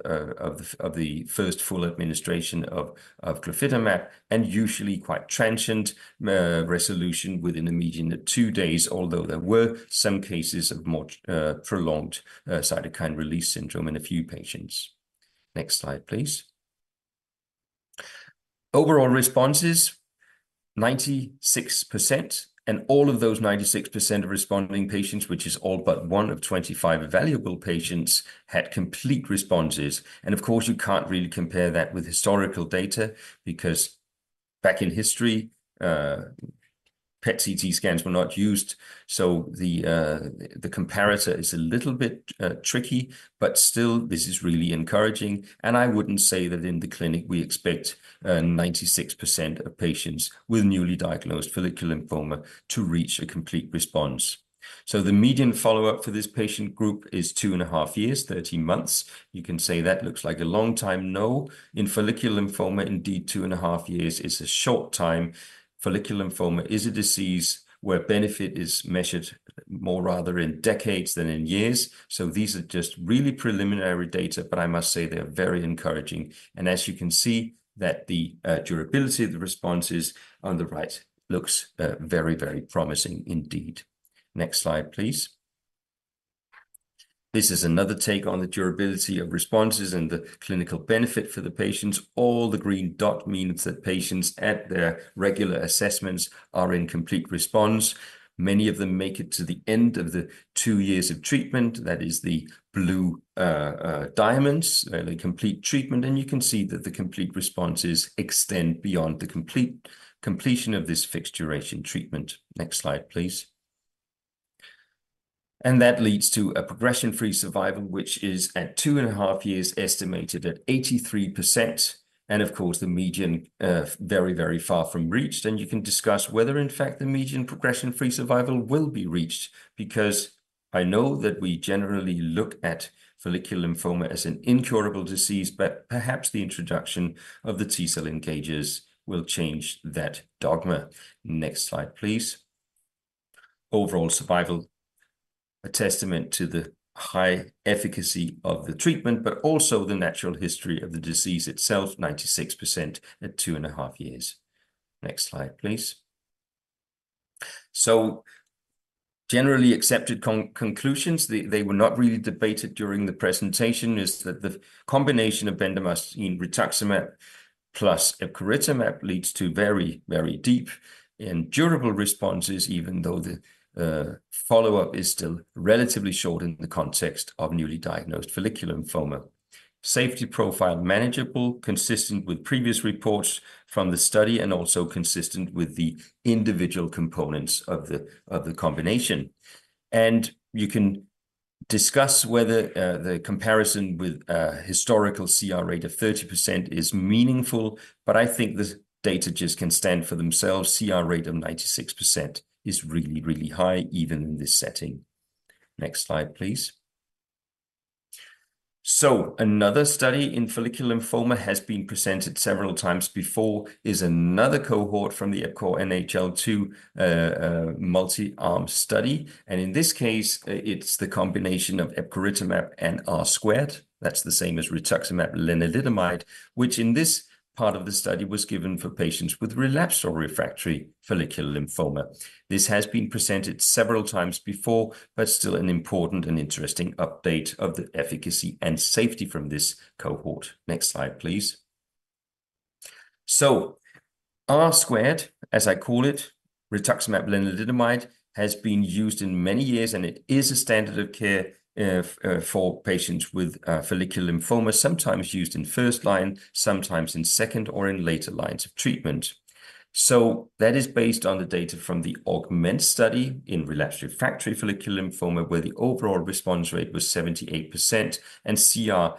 the first full administration of glofitamab and usually quite transient resolution within a median of two days, although there were some cases of more prolonged cytokine release syndrome in a few patients. Next slide, please. Overall responses, 96%. All of those 96% of responding patients, which is all but one of 25 evaluable patients, had complete responses. Of course, you can't really compare that with historical data because back in history, PET-CT scans were not used. The comparator is a little bit tricky, but still, this is really encouraging. I wouldn't say that in the clinic we expect 96% of patients with newly diagnosed follicular lymphoma to reach a complete response. So the median follow-up for this patient group is two and a half years, 13 months. You can say that looks like a long time, no. In follicular lymphoma, indeed, two and a half years is a short time. Follicular lymphoma is a disease where benefit is measured more rather in decades than in years. So these are just really preliminary data, but I must say they're very encouraging. And as you can see, that the durability of the responses on the right looks very, very promising indeed. Next slide, please. This is another take on the durability of responses and the clinical benefit for the patients. All the green dot means that patients at their regular assessments are in complete response. Many of them make it to the end of the two years of treatment. That is the blue diamonds, the complete treatment. And you can see that the complete responses extend beyond the completion of this fixed duration treatment. Next slide, please. And that leads to a progression-free survival, which is at two and a half years estimated at 83%. And of course, the median very, very far from reached. And you can discuss whether, in fact, the median progression-free survival will be reached because I know that we generally look at follicular lymphoma as an incurable disease, but perhaps the introduction of the T-cell engagers will change that dogma. Next slide, please. Overall survival, a testament to the high efficacy of the treatment, but also the natural history of the disease itself, 96% at two and a half years. Next slide, please. Generally accepted conclusions, they were not really debated during the presentation, is that the combination of bendamustine rituximab+ epcoritamab leads to very, very deep and durable responses, even though the follow-up is still relatively short in the context of newly diagnosed follicular lymphoma. Safety profile manageable, consistent with previous reports from the study and also consistent with the individual components of the combination, and you can discuss whether the comparison with a historical CR rate of 30% is meaningful, but I think the data just can stand for themselves. CR rate of 96% is really, really high even in this setting. Next slide, please. Another study in follicular lymphoma has been presented several times before is another cohort from the EPCORE NHL-2 multi-arm study, and in this case, it's the combination of epcoritamab and R-squared. That's the same as rituximab lenalidomide, which in this part of the study was given for patients with relapse or refractory follicular lymphoma. This has been presented several times before, but still an important and interesting update of the efficacy and safety from this cohort. Next slide, please. So R-squared, as I call it, rituximab lenalidomide has been used in many years, and it is a standard of care for patients with follicular lymphoma, sometimes used in first line, sometimes in second or in later lines of treatment. So that is based on the data from the AUGMENT study in relapse refractory follicular lymphoma, where the overall response rate was 78% and CR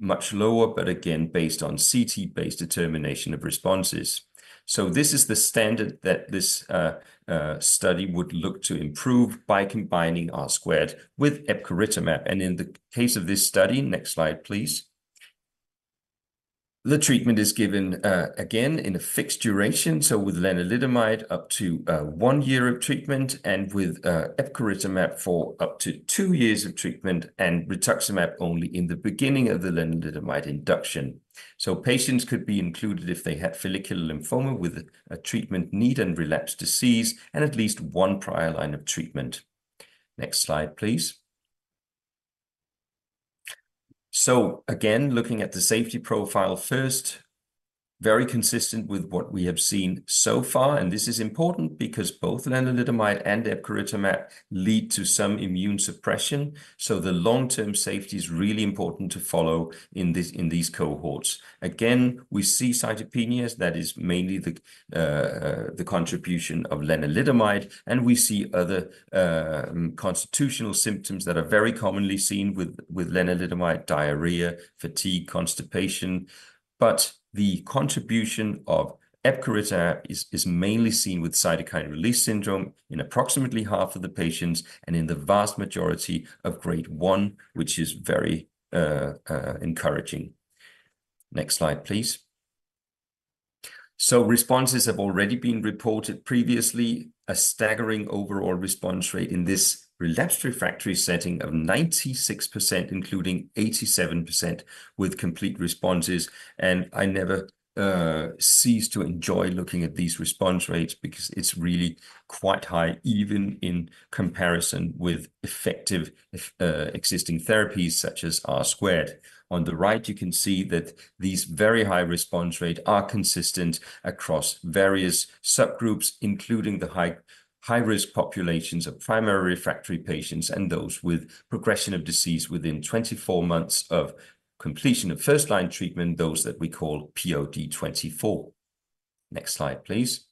much lower, but again, based on CT-based determination of responses. So this is the standard that this study would look to improve by combining R-squared with epcoritamab. And in the case of this study, next slide, please. The treatment is given again in a fixed duration, so with lenalidomide up to one year of treatment and with epcoritamab for up to two years of treatment and rituximab only in the beginning of the lenalidomide induction. So patients could be included if they had follicular lymphoma with a treatment need and relapse disease and at least one prior line of treatment. Next slide, please. So again, looking at the safety profile first, very consistent with what we have seen so far. And this is important because both lenalidomide and epcoritamab lead to some immune suppression. So the long-term safety is really important to follow in these cohorts. Again, we see cytopenias. That is mainly the contribution of lenalidomide. And we see other constitutional symptoms that are very commonly seen with lenalidomide: diarrhea, fatigue, constipation. But the contribution of epcoritamab is mainly seen with cytokine release syndrome in approximately half of the patients and in the vast majority of grade one, which is very encouraging. Next slide, please. So responses have already been reported previously. A staggering overall response rate in this relapse refractory setting of 96%, including 87% with complete responses. And I never cease to enjoy looking at these response rates because it's really quite high, even in comparison with effective existing therapies such as R-squared. On the right, you can see that these very high response rates are consistent across various subgroups, including the high-risk populations of primary refractory patients and those with progression of disease within 24 months of completion of first-line treatment, those that we call POD24. Next slide, please.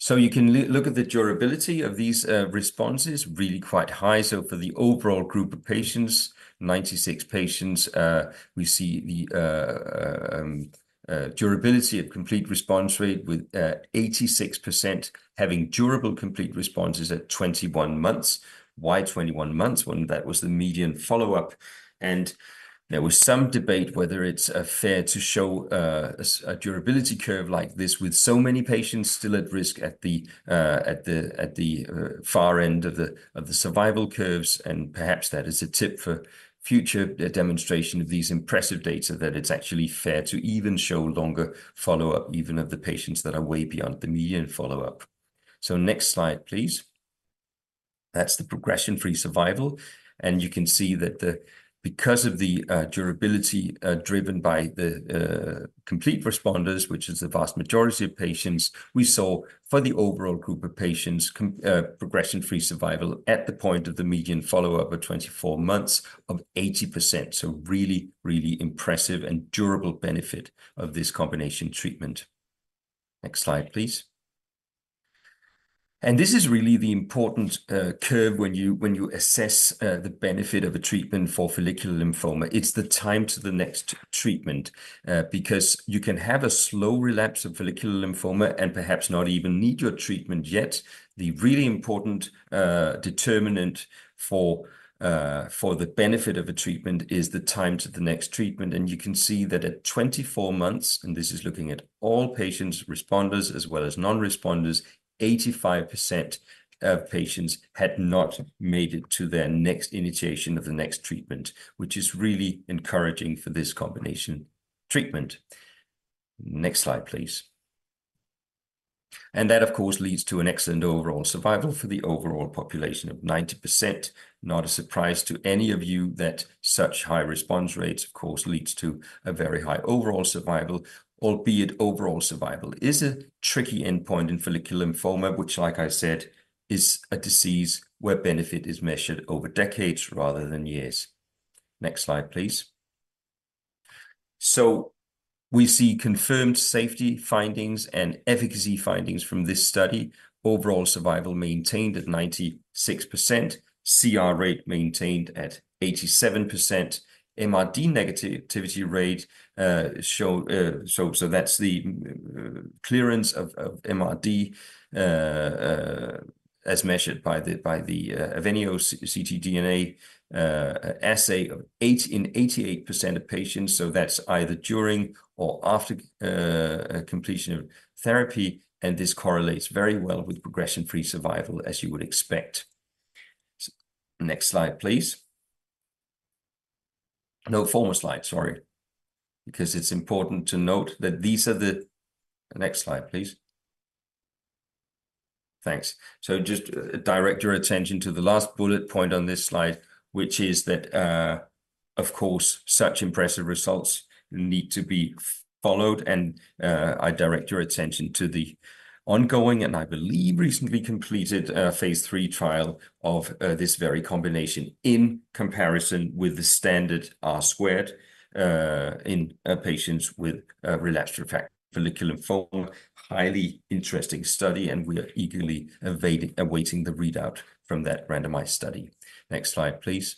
So you can look at the durability of these responses, really quite high. So for the overall group of patients, 96 patients, we see the durability of complete response rate with 86% having durable complete responses at 21 months. Why 21 months? When that was the median follow-up. And there was some debate whether it's fair to show a durability curve like this with so many patients still at risk at the far end of the survival curves. And perhaps that is a tip for future demonstration of these impressive data that it's actually fair to even show longer follow-up, even of the patients that are way beyond the median follow-up. So next slide, please. That's the progression-free survival. And you can see that because of the durability driven by the complete responders, which is the vast majority of patients, we saw for the overall group of patients, progression-free survival at the point of the median follow-up of 24 months of 80%. Really, really impressive and durable benefit of this combination treatment. Next slide, please. This is really the important curve when you assess the benefit of a treatment for follicular lymphoma. It's the time to the next treatment because you can have a slow relapse of follicular lymphoma and perhaps not even need your treatment yet. The really important determinant for the benefit of a treatment is the time to the next treatment. You can see that at 24 months, and this is looking at all patients, responders as well as non-responders, 85% of patients had not made it to their next initiation of the next treatment, which is really encouraging for this combination treatment. Next slide, please. That, of course, leads to an excellent overall survival for the overall population of 90%. Not a surprise to any of you that such high response rates, of course, leads to a very high overall survival, albeit overall survival is a tricky endpoint in follicular lymphoma, which, like I said, is a disease where benefit is measured over decades rather than years. Next slide, please. So we see confirmed safety findings and efficacy findings from this study. Overall survival maintained at 96%. CR rate maintained at 87%. MRD negativity rate showed, so that's the clearance of MRD as measured by the AVENIO ctDNA assay in 88% of patients. So that's either during or after completion of therapy. And this correlates very well with progression-free survival, as you would expect. Next slide, please. No, former slide, sorry. Because it's important to note that these are the next slide, please. Thanks. So just direct your attention to the last bullet point on this slide, which is that, of course, such impressive results need to be followed. And I direct your attention to the ongoing and I believe recently completed phase III trial of this very combination in comparison with the standard R-squared in patients with relapse refractory follicular lymphoma. Highly interesting study, and we're eagerly awaiting the readout from that randomized study. Next slide, please.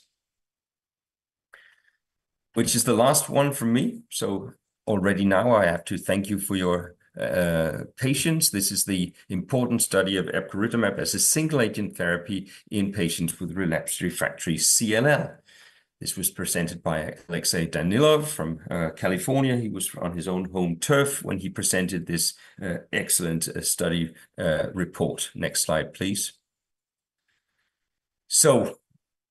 Which is the last one for me. So already now, I have to thank you for your patience. This is the important study of epcoritamab as a single-agent therapy in patients with relapse refractory CLL. This was presented by Alexey Danilov from California. He was on his own home turf when he presented this excellent study report. Next slide, please. So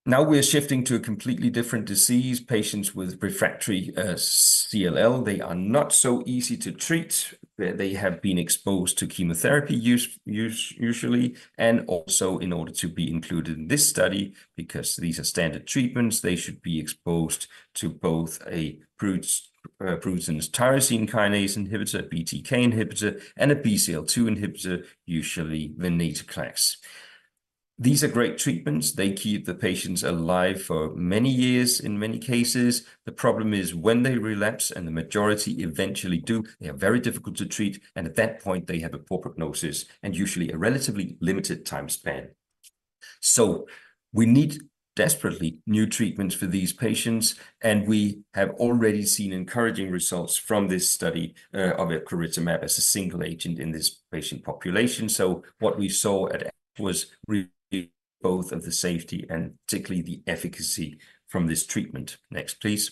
now we're shifting to a completely different disease, patients with refractory CLL. They are not so easy to treat. They have been exposed to chemotherapy usually. And also in order to be included in this study, because these are standard treatments, they should be exposed to both a Bruton's tyrosine kinase inhibitor, BTK inhibitor, and a BCL-2 inhibitor, usually venetoclax. These are great treatments. They keep the patients alive for many years in many cases. The problem is when they relapse and the majority eventually do, they are very difficult to treat. And at that point, they have a poor prognosis and usually a relatively limited time span. So we need desperately new treatments for these patients. And we have already seen encouraging results from this study of epcoritamab as a single agent in this patient population. So what we saw at ASH was really both of the safety and particularly the efficacy from this treatment. Next, please.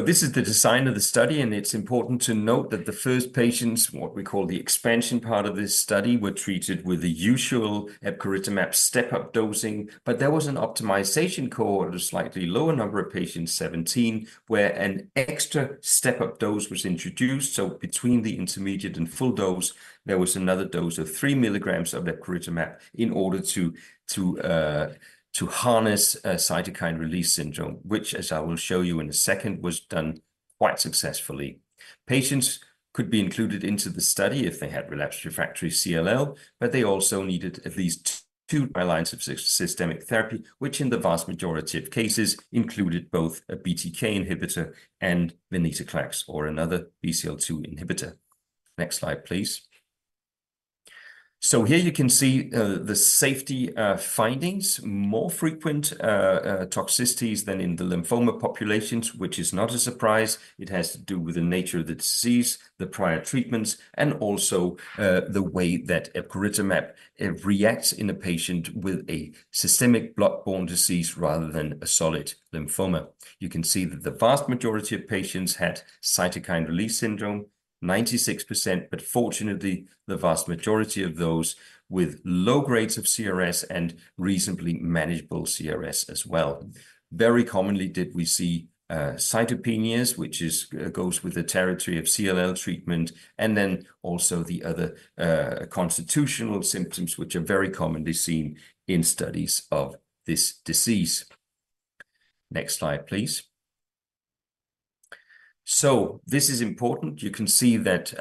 This is the design of the study. And it's important to note that the first patients, what we call the expansion part of this study, were treated with the usual epcoritamab step-up dosing. There was an optimization core at a slightly lower number of patients, 17, where an extra step-up dose was introduced. Between the intermediate and full dose, there was another dose of three milligrams of epcoritamab in order to harness cytokine release syndrome, which, as I will show you in a second, was done quite successfully. Patients could be included into the study if they had relapsed refractory CLL, but they also needed at least two lines of systemic therapy, which in the vast majority of cases included both a BTK inhibitor and venetoclax or another BCL-2 inhibitor. Next slide, please. So here you can see the safety findings, more frequent toxicities than in the lymphoma populations, which is not a surprise. It has to do with the nature of the disease, the prior treatments, and also the way that epcoritamab reacts in a patient with a systemic blood-borne disease rather than a solid lymphoma. You can see that the vast majority of patients had cytokine release syndrome, 96%, but fortunately, the vast majority of those with low grades of CRS and reasonably manageable CRS as well. Very commonly did we see cytopenias, which goes with the territory of CLL treatment, and then also the other constitutional symptoms, which are very commonly seen in studies of this disease. Next slide, please. So this is important. You can see that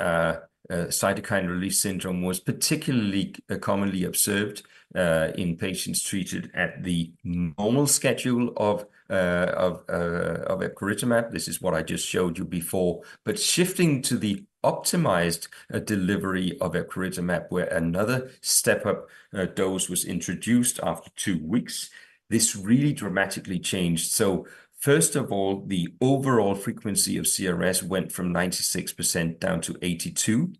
cytokine release syndrome was particularly commonly observed in patients treated at the normal schedule of epcoritamab. This is what I just showed you before. But shifting to the optimized delivery of epcoritamab, where another step-up dose was introduced after two weeks, this really dramatically changed. So first of all, the overall frequency of CRS went from 96% down to 82%.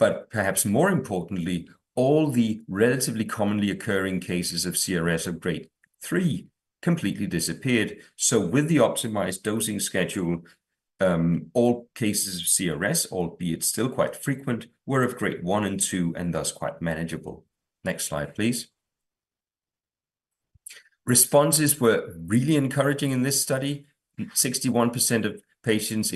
But perhaps more importantly, all the relatively commonly occurring cases of CRS of grade three completely disappeared. So with the optimized dosing schedule, all cases of CRS, albeit still quite frequent, were of grade one and two and thus quite manageable. Next slide, please. Responses were really encouraging in this study. 61% of patients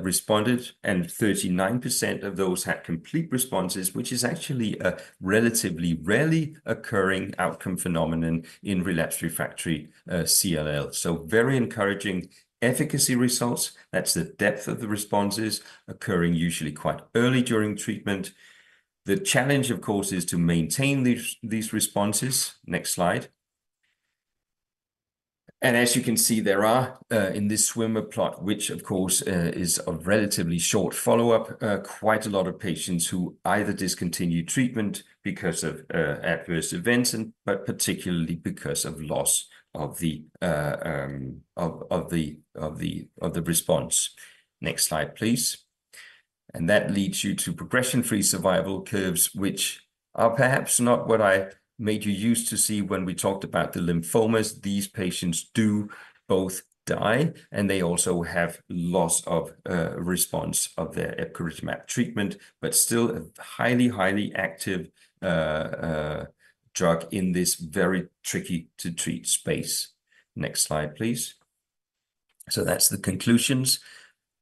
responded, and 39% of those had complete responses, which is actually a relatively rarely occurring outcome phenomenon in relapse refractory CLL. So very encouraging efficacy results. That's the depth of the responses occurring usually quite early during treatment. The challenge, of course, is to maintain these responses. Next slide. As you can see, there are in this swimmer plot, which of course is a relatively short follow-up, quite a lot of patients who either discontinue treatment because of adverse events, but particularly because of loss of the response. Next slide, please. That leads you to progression-free survival curves, which are perhaps not what I made you used to see when we talked about the lymphomas. These patients do both die, and they also have loss of response of their epcoritamab treatment, but still a highly, highly active drug in this very tricky-to-treat space. Next slide, please. That's the conclusions.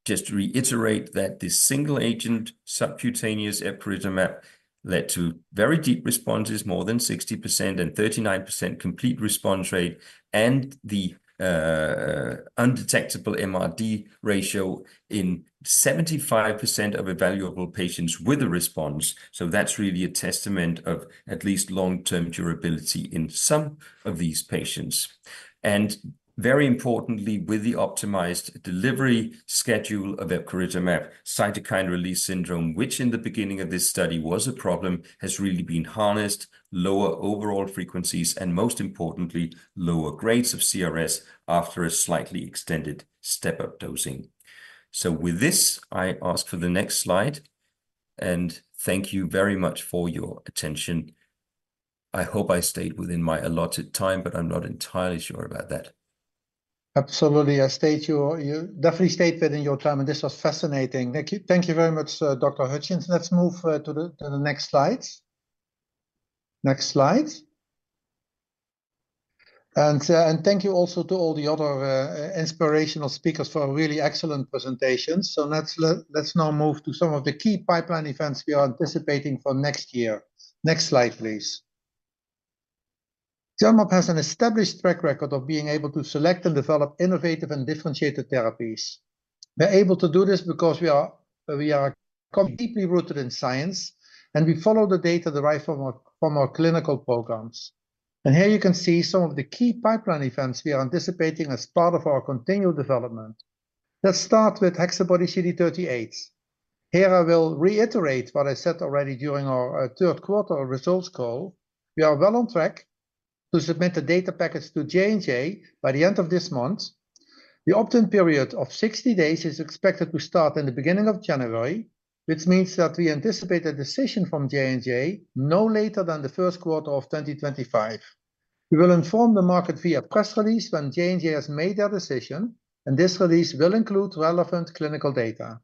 Just to reiterate that this single-agent subcutaneous epcoritamab led to very deep responses, more than 60% and 39% complete response rate, and the undetectable MRD ratio in 75% of evaluable patients with a response. So that's really a testament of at least long-term durability in some of these patients. And very importantly, with the optimized delivery schedule of epcoritamab, cytokine release syndrome, which in the beginning of this study was a problem, has really been harnessed, lower overall frequencies, and most importantly, lower grades of CRS after a slightly extended step-up dosing. So with this, I ask for the next slide. And thank you very much for your attention. I hope I stayed within my allotted time, but I'm not entirely sure about that. Absolutely. You definitely stayed within your time, and this was fascinating. Thank you very much, Dr. Hutchings. Let's move to the next slides. Next slide. And thank you also to all the other inspirational speakers for a really excellent presentation. So let's now move to some of the key pipeline events we are anticipating for next year. Next slide, please. Genmab has an established track record of being able to select and develop innovative and differentiated therapies. We're able to do this because we are deeply rooted in science, and we follow the data derived from our clinical programs. And here you can see some of the key pipeline events we are anticipating as part of our continual development. Let's start with HexaBody-CD38. Here, I will reiterate what I said already during our third quarter results call. We are well on track to submit the data package to J&J by the end of this month. The opt-in period of 60 days is expected to start in the beginning of January, which means that we anticipate a decision from J&J no later than the first quarter of 2025. We will inform the market via press release when J&J has made their decision, and this release will include relevant clinical data.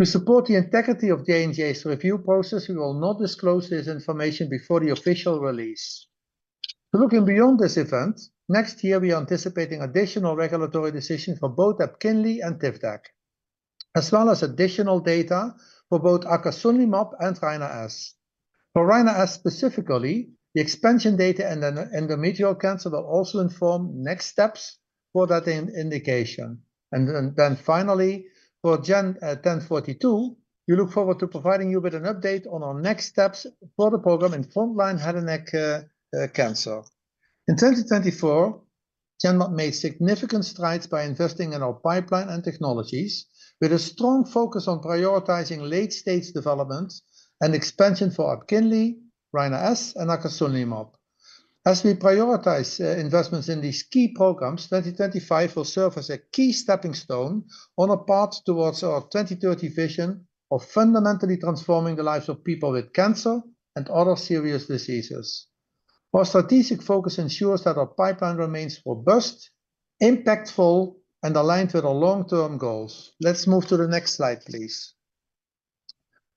To support the integrity of J&J's review process, we will not disclose this information before the official release. Looking beyond this event, next year, we are anticipating additional regulatory decisions for both Epkinly and Tivdak, as well as additional data for both acasunlimab and Rina-S. For Rina-S specifically, the expansion data and endometrial cancer will also inform next steps for that indication. And then finally, for Gen1042, we look forward to providing you with an update on our next steps for the program in frontline head and neck cancer. In 2024, Genmab made significant strides by investing in our pipeline and technologies, with a strong focus on prioritizing late-stage development and expansion for Epkinly, Rina-S, and acasunlimab. As we prioritize investments in these key programs, 2025 will serve as a key stepping stone on our path towards our 2030 vision of fundamentally transforming the lives of people with cancer and other serious diseases. Our strategic focus ensures that our pipeline remains robust, impactful, and aligned with our long-term goals. Let's move to the next slide, please.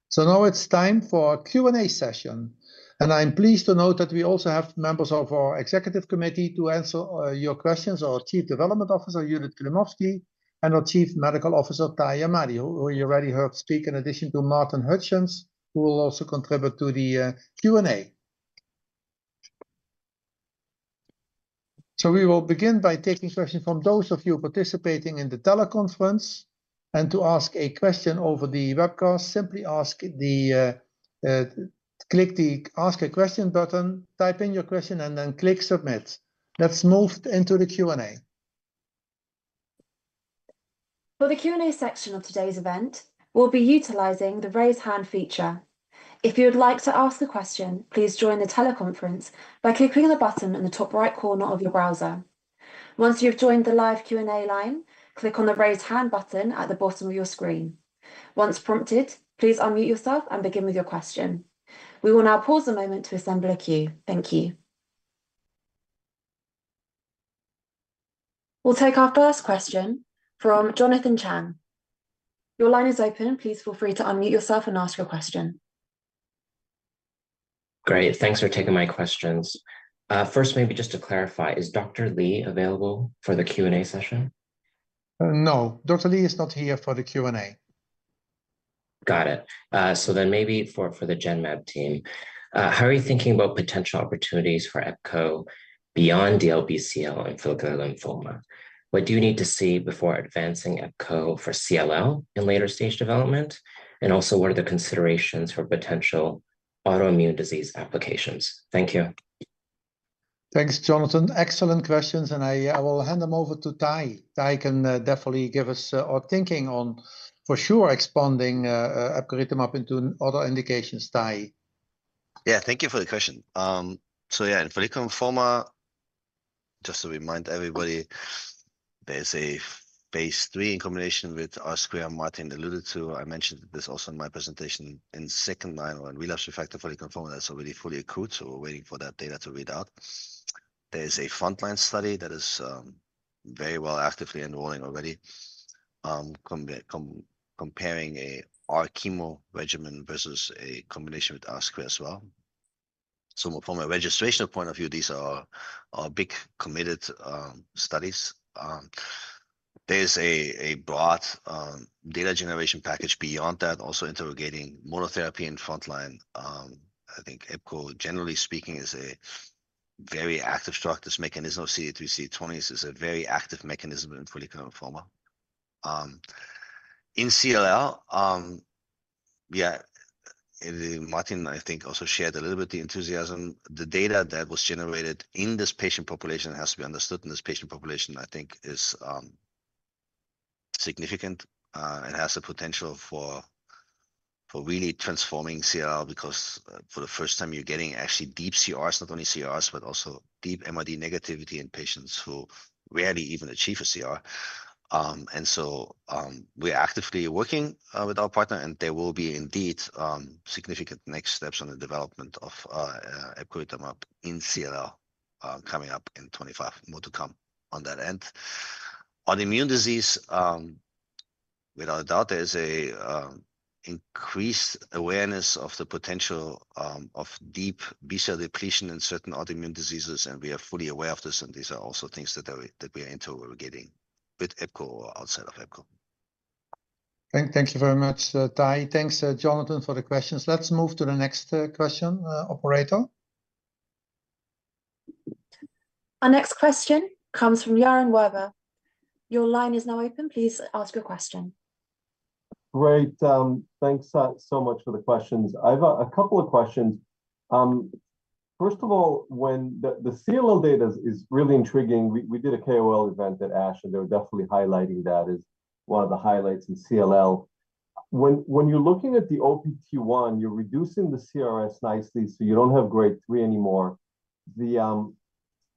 So now it's time for our Q&A session. And I'm pleased to note that we also have members of our executive committee to answer your questions, our Chief Development Officer, Judith Klimovsky, and our Chief Medical Officer, Tahi Ahmadi, who you already heard speak, in addition to Martin Hutchings, who will also contribute to the Q&A. So we will begin by taking questions from those of you participating in the teleconference. To ask a question over the webcast, simply click the Ask a Question button, type in your question, and then click Submit. Let's move into the Q&A. For the Q&A section of today's event, we'll be utilizing the raise hand feature. If you would like to ask a question, please join the teleconference by clicking the button in the top right corner of your browser. Once you've joined the live Q&A line, click on the raise hand button at the bottom of your screen. Once prompted, please unmute yourself and begin with your question. We will now pause a moment to assemble a queue. Thank you. We'll take our first question from Jonathan Chang. Your line is open. Please feel free to unmute yourself and ask your question. Great. Thanks for taking my questions. First, maybe just to clarify, is Dr. Lee available for the Q&A session? No. Dr. Lee is not here for the Q&A. Got it. So then maybe for the Genmab team, how are you thinking about potential opportunities for Epkinly beyond DLBCL and follicular lymphoma? What do you need to see before advancing Epkinly for CLL in later-stage development? And also, what are the considerations for potential autoimmune disease applications? Thank you. Thanks, Jonathan. Excellent questions. And I will hand them over to Tahi. Tahi can definitely give us our thinking on, for sure, expanding epcoritamab into other indications. Tahi. Yeah, thank you for the question. So yeah, in follicular lymphoma, just to remind everybody, there's a phase III in combination with R2, Martin alluded to. I mentioned this also in my presentation in second line on relapse refractory follicular lymphoma. That's already fully accrued. So we're waiting for that data to read out. There is a frontline study that is very well actively enrolling already, comparing an R chemo regimen versus a combination with R square as well, so from a registration point of view, these are our big committed studies. There is a broad data generation package beyond that, also interrogating monotherapy in frontline. I think epcoritamab, generally speaking, is a very active drug. This mechanism of CD3 CD20 is a very active mechanism in follicular lymphoma. In CLL, yeah, Martin, I think, also shared a little bit the enthusiasm. The data that was generated in this patient population has to be understood, and this patient population, I think, is significant. It has the potential for really transforming CLL because for the first time, you're getting actually deep CRs, not only CRs, but also deep MRD negativity in patients who rarely even achieve a CR. And so we're actively working with our partner, and there will be indeed significant next steps on the development of epcoritamab in CLL coming up in 2025, more to come on that end. On autoimmune disease, without a doubt, there is an increased awareness of the potential of deep B-cell depletion in certain autoimmune diseases. And we are fully aware of this. And these are also things that we are interrogating with epcoritamab or outside of epcoritamab. Thank you very much, Tahi. Thanks, Jonathan, for the questions. Let's move to the next question, operator. Our next question comes from Yaron Werber. Your line is now open. Please ask your question. Great. Thanks so much for the questions. I have a couple of questions. First of all, when the CLL data is really intriguing, we did a KOL event at ASH, and they were definitely highlighting that as one of the highlights in CLL. When you're looking at the OPT1, you're reducing the CRS nicely, so you don't have grade three anymore.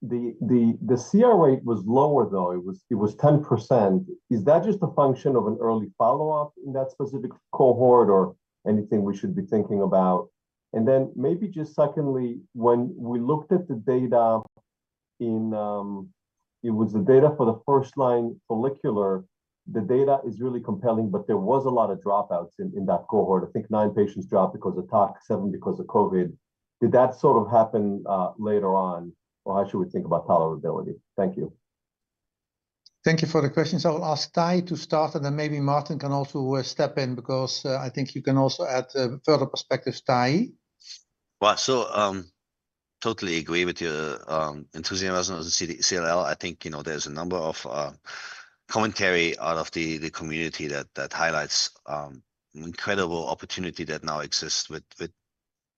The CR rate was lower, though. It was 10%. Is that just a function of an early follow-up in that specific cohort or anything we should be thinking about? And then maybe just secondly, when we looked at the data, it was the data for the first-line follicular. The data is really compelling, but there was a lot of dropouts in that cohort. I think nine patients dropped because of tox, seven because of COVID. Did that sort of happen later on, or how should we think about tolerability? Thank you. Thank you for the questions. I'll ask Tahi to start, and then maybe Martin can also step in because I think you can also add further perspective, Tahi. Well, I so totally agree with your enthusiasm of the CLL. I think there's a number of commentary out of the community that highlights an incredible opportunity that now exists with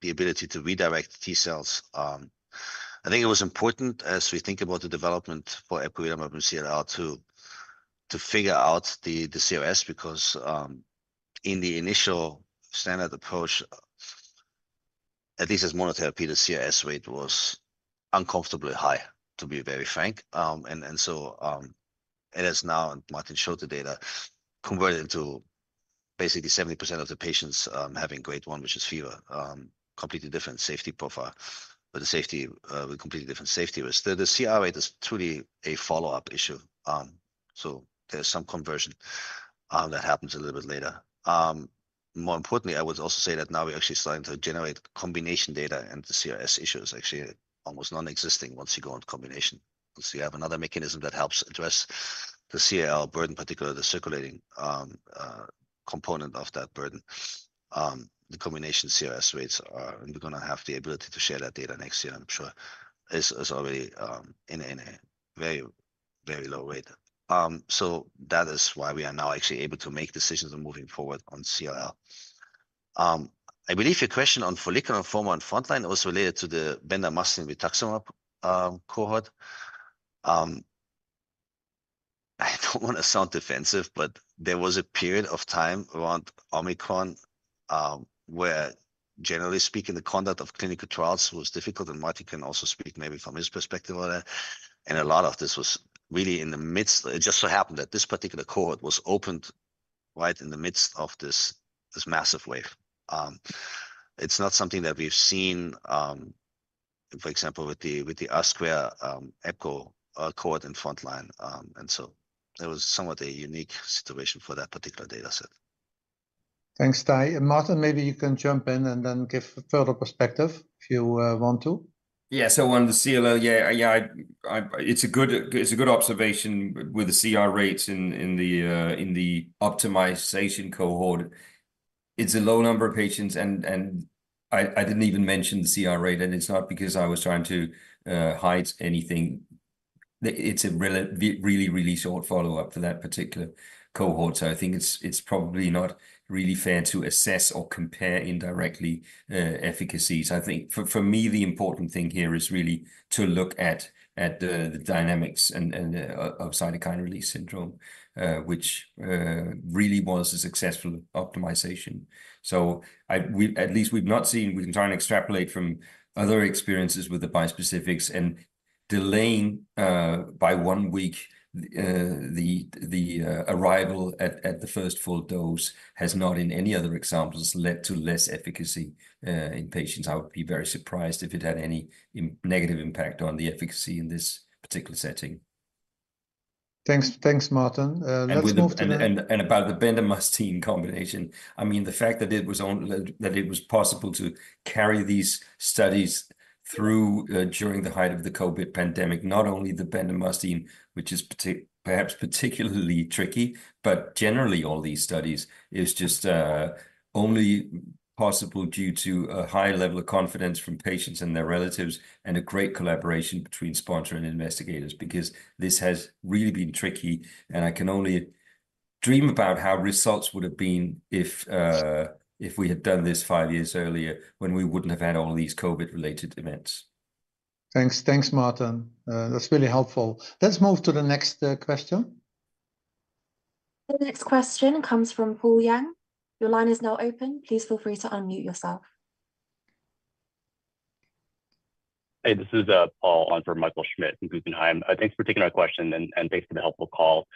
the ability to redirect T cells. I think it was important as we think about the development for epcoritamab and CLL to figure out the CRS because in the initial standard approach, at least as monotherapy, the CRS rate was uncomfortably high, to be very frank. And so it is now, and Martin showed the data, converted into basically 70% of the patients having grade one, which is fever, completely different safety profile. But the safety with completely different safety risk. The CR rate is truly a follow-up issue. So there's some conversion that happens a little bit later. More importantly, I would also say that now we're actually starting to generate combination data, and the CRS issue is actually almost non-existing once you go into combination. So you have another mechanism that helps address the CLL burden, particularly the circulating component of that burden. The combination CRS rates are, and we're going to have the ability to share that data next year, I'm sure, already in a very, very low rate. So that is why we are now actually able to make decisions on moving forward on CLL. I believe your question on follicular lymphoma in frontline was related to the bendamustine rituximab cohort. I don't want to sound defensive, but there was a period of time around Omicron where, generally speaking, the conduct of clinical trials was difficult. Martin can also speak maybe from his perspective on that. A lot of this was really in the midst. It just so happened that this particular cohort was opened right in the midst of this massive wave. It's not something that we've seen, for example, with the R-squared epcoritamab cohort in frontline. So it was somewhat a unique situation for that particular data set. Thanks, Tahi. Martin, maybe you can jump in and then give further perspective if you want to. Yes, I want the CLL. Yeah, yeah, it's a good observation with the CR rates in the optimization cohort. It's a low number of patients, and I didn't even mention the CR rate. It's not because I was trying to hide anything. It's a really, really short follow-up for that particular cohort. So I think it's probably not really fair to assess or compare indirectly efficacies. I think for me, the important thing here is really to look at the dynamics of cytokine release syndrome, which really was a successful optimization. So at least we've not seen, we can try and extrapolate from other experiences with the bispecifics. And delaying by one week the arrival at the first full dose has not, in any other examples, led to less efficacy in patients. I would be very surprised if it had any negative impact on the efficacy in this particular setting. Thanks, Martin. Let's move to the next. And about the bendamustine combination, I mean, the fact that it was possible to carry these studies through during the height of the COVID pandemic, not only the bendamustine, which is perhaps particularly tricky, but generally, all these studies is just only possible due to a high level of confidence from patients and their relatives and a great collaboration between sponsors and investigators because this has really been tricky. And I can only dream about how results would have been if we had done this five years earlier when we wouldn't have had all of these COVID-related events. Thanks, Martin. That's really helpful. Let's move to the next question. The next question comes from Paul Jeng. Your line is now open. Please feel free to unmute yourself. Hey, this is Paul on for Michael Schmidt in Guggenheim. Thanks for taking our question and thanks for the helpful call.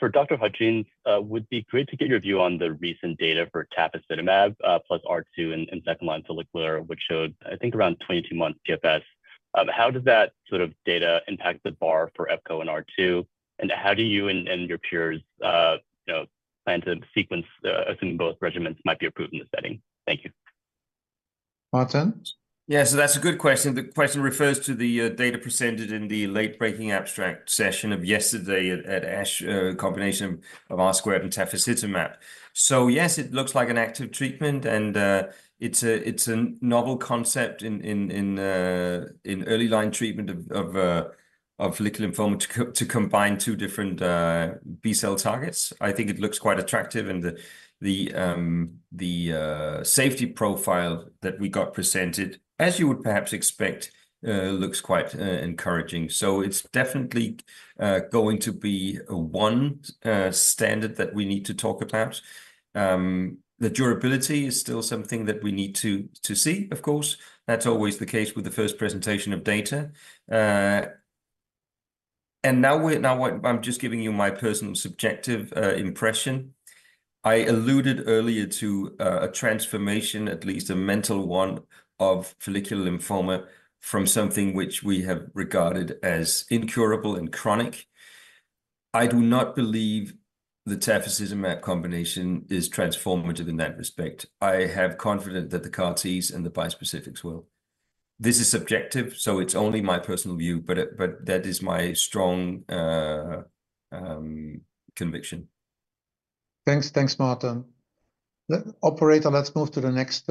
For Dr. Hutchings, it would be great to get your view on the recent data for tafasitamab+ R2 in second line follicular, which showed, I think, around 22-month TFS. How does that sort of data impact the bar for Epco and R2? And how do you and your peers plan to sequence assuming both regimens might be approved in this setting? Thank you. Martin? Yeah, so that's a good question. The question refers to the data presented in the late-breaking abstract session of yesterday at ASH, a combination of R squared and tafasitamab. So yes, it looks like an active treatment, and it's a novel concept in early line treatment of follicular lymphoma to combine two different B-cell targets. I think it looks quite attractive, and the safety profile that we got presented, as you would perhaps expect, looks quite encouraging. So it's definitely going to be one standard that we need to talk about. The durability is still something that we need to see, of course. That's always the case with the first presentation of data. And now I'm just giving you my personal subjective impression. I alluded earlier to a transformation, at least a mental one, of follicular lymphoma from something which we have regarded as incurable and chronic. I do not believe the tafasitamab combination is transformative in that respect. I have confidence that the CAR-Ts and the bispecifics will. This is subjective, so it's only my personal view, but that is my strong conviction. Thanks, Martin. Operator, let's move to the next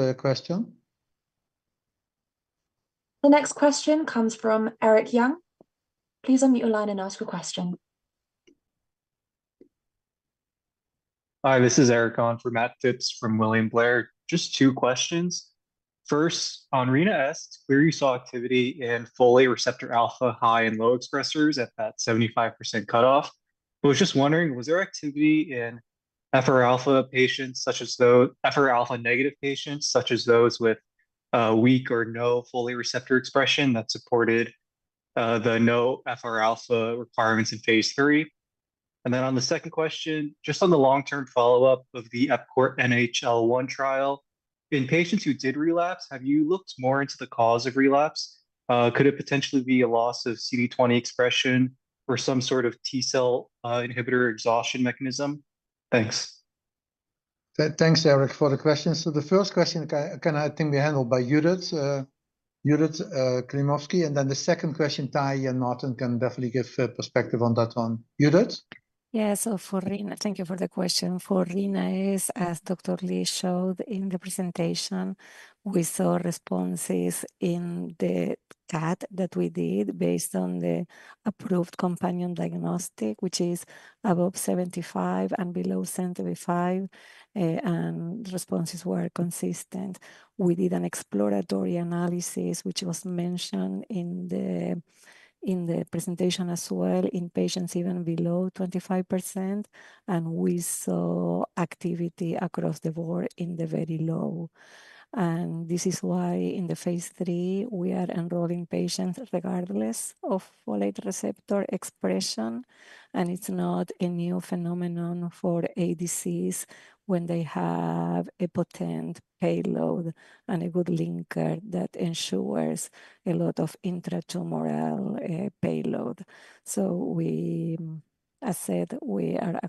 question. The next question comes from Eric Yang. Please unmute your line and ask your question. Hi, this is Eric on for Matt Phipps from William Blair. Just two questions. First, Eric asks where you saw activity in folate receptor alpha high and low expressors at that 75% cutoff. I was just wondering, was there activity in FR alpha patients such as those FR alpha negative patients, such as those with weak or no folate receptor expression that supported the no FR alpha requirements in phase III? And then on the second question, just on the long-term follow-up of the EPCORE NHL-1 trial, in patients who did relapse, have you looked more into the cause of relapse? Could it potentially be a loss of CD20 expression or some sort of T cell exhaustion mechanism? Thanks. Thanks, Eric, for the questions. So the first question, can we have that handled by Judith Klimovsky? And then the second question, Tahi and Martin can definitely give perspective on that one. Judith? Yeah, so for Rina-S, thank you for the question. For Rina-S, as Dr. Lee showed in the presentation, we saw responses in the CAT that we did based on the approved companion diagnostic, which is above 75% and below 75%, and responses were consistent. We did an exploratory analysis, which was mentioned in the presentation as well, in patients even below 25%, and we saw activity across the board in the very low. This is why in the phase III, we are enrolling patients regardless of folate receptor expression, and it's not a new phenomenon for a disease when they have a potent payload and a good linker that ensures a lot of intratumoral payload. As I said, we are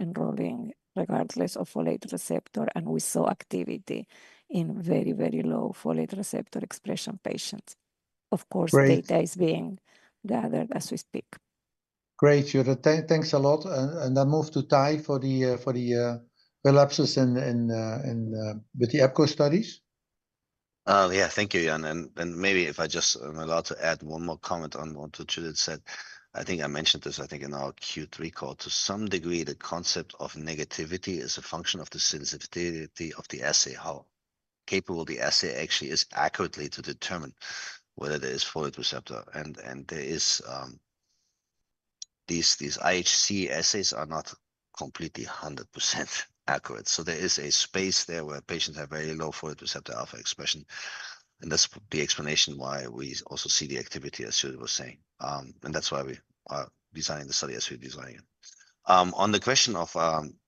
enrolling regardless of folate receptor, and we saw activity in very, very low folate receptor expression patients. Of course, data is being gathered as we speak. Great, Judith. Thanks a lot. I'll move to Tahi for the relapses with the epcoritamab studies. Oh, yeah, thank you, Yaron. And maybe if I just am allowed to add one more comment on what Judith said. I think I mentioned this, I think, in our Q3 call. To some degree, the concept of negativity is a function of the sensitivity of the assay, how capable the assay actually is accurately to determine whether there is folate receptor. And these IHC assays are not completely 100% accurate. So there is a space there where patients have very low folate receptor alpha expression. And that's the explanation why we also see the activity, as Judith was saying. And that's why we are designing the study as we're designing it. On the question of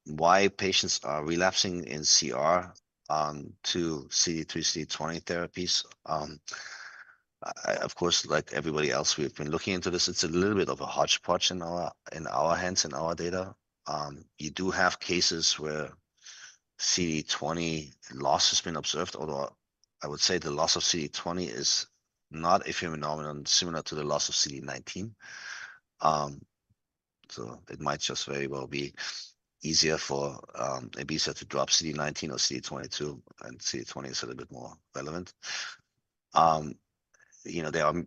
why patients are relapsing in CR to CD3, CD20 therapies, of course, like everybody else, we've been looking into this. It's a little bit of a hodgepodge in our hands, in our data. You do have cases where CD20 loss has been observed, although I would say the loss of CD20 is not a phenomenon similar to the loss of CD19. So it might just very well be easier for bispecifics to drop CD19 or CD22, and CD20 is a little bit more relevant. There are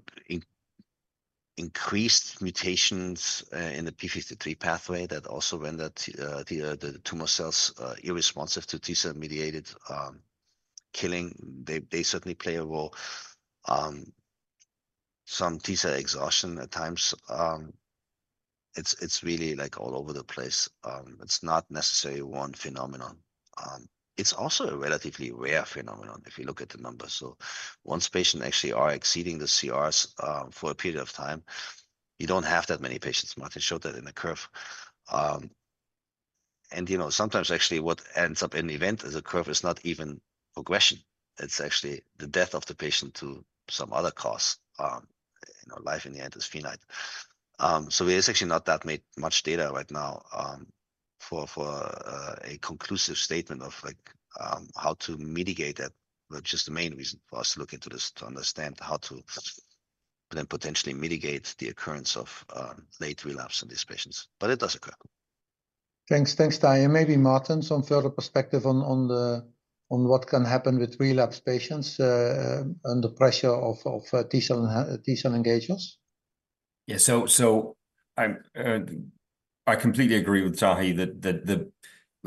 increased mutations in the p53 pathway that also render the tumor cells unresponsive to T-cell-mediated killing. They certainly play a role. Some T-cell exhaustion at times. It's really all over the place. It's not necessarily one phenomenon. It's also a relatively rare phenomenon if you look at the numbers. So once patients actually are exceeding the CRs for a period of time, you don't have that many patients. Martin showed that in the curve. And sometimes, actually, what ends up in the event as a curve is not even progression. It's actually the death of the patient to some other cause. Life in the end is finite. So there is actually not that much data right now for a conclusive statement of how to mitigate that, which is the main reason for us to look into this to understand how to then potentially mitigate the occurrence of late relapse in these patients. But it does occur. Thanks. Thanks, Tahi. And maybe Martin, some further perspective on what can happen with relapse patients under pressure of T cell engagers? Yeah, so I completely agree with Tahi that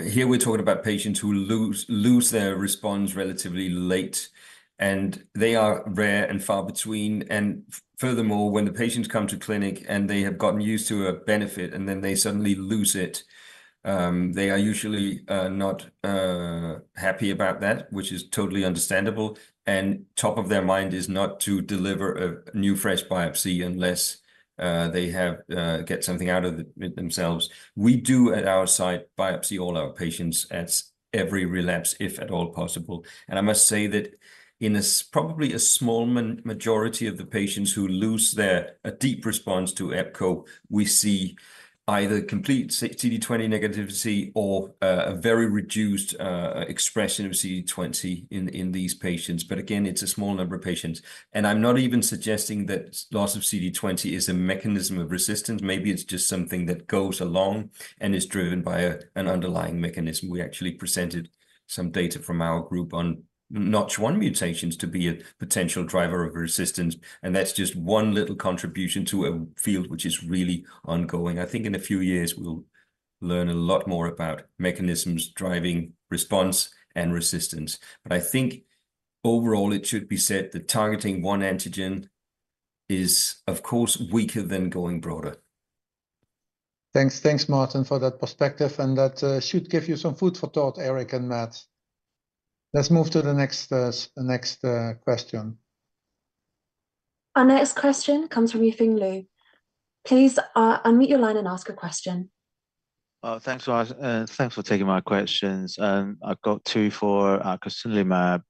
here we're talking about patients who lose their response relatively late, and they are rare and far between. Furthermore, when the patients come to clinic and they have gotten used to a benefit, and then they suddenly lose it, they are usually not happy about that, which is totally understandable. Top of their mind is not to deliver a new fresh biopsy unless they get something out of themselves. We do, at our site, biopsy all our patients at every relapse, if at all possible. I must say that in probably a small majority of the patients who lose a deep response to Epkinly, we see either complete CD20 negativity or a very reduced expression of CD20 in these patients. But again, it's a small number of patients. I'm not even suggesting that loss of CD20 is a mechanism of resistance. Maybe it's just something that goes along and is driven by an underlying mechanism. We actually presented some data from our group on NOTCH1 mutations to be a potential driver of resistance. And that's just one little contribution to a field which is really ongoing. I think in a few years, we'll learn a lot more about mechanisms driving response and resistance. But I think overall, it should be said that targeting one antigen is, of course, weaker than going broader. Thanks, Martin, for that perspective. And that should give you some food for thought, Eric and Matt. Let's move to the next question. Our next question comes from Yifeng Liu. Please unmute your line and ask a question. Thanks for taking my questions. I've got two for acasunlimab.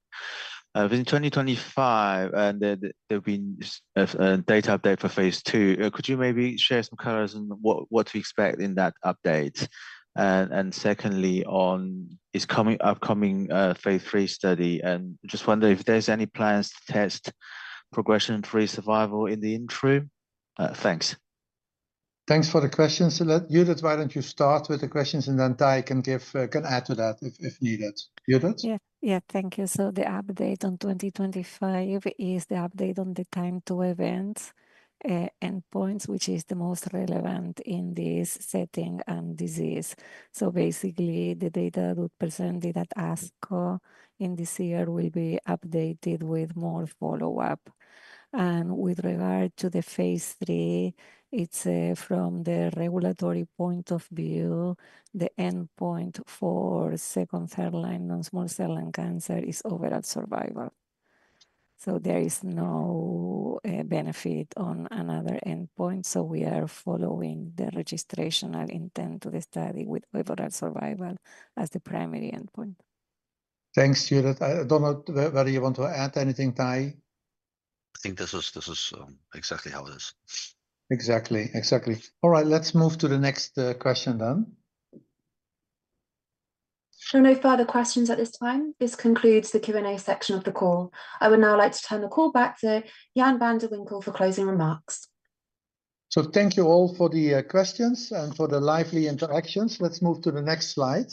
In 2025, there'll be a data update for phase II. Could you maybe share some colors on what to expect in that update? Secondly, on this upcoming phase III study, and just wonder if there's any plans to test progression-free survival in the interim? Thanks. Thanks for the questions. Judith, why don't you start with the questions, and then Tahi can add to that if needed. Judith? Yeah, thank you. The update on 2025 is the update on the time-to-event endpoints, which is the most relevant in this setting and disease. Basically, the data that was presented at ASCO in this year will be updated with more follow-up. With regard to the phase III, it's from the regulatory point of view, the endpoint for second-line in small-cell lung cancer is overall survival. There is no benefit on another endpoint. We are following the registrational intent of the study with overall survival as the primary endpoint. Thanks, Judith. I don't know whether you want to add anything, Tahi. I think this is exactly how it is. Exactly. All right, let's move to the next question then. There are no further questions at this time. This concludes the Q&A section of the call. I would now like to turn the call back to Jan van de Winkel for closing remarks. So thank you all for the questions and for the lively interactions. Let's move to the next slide.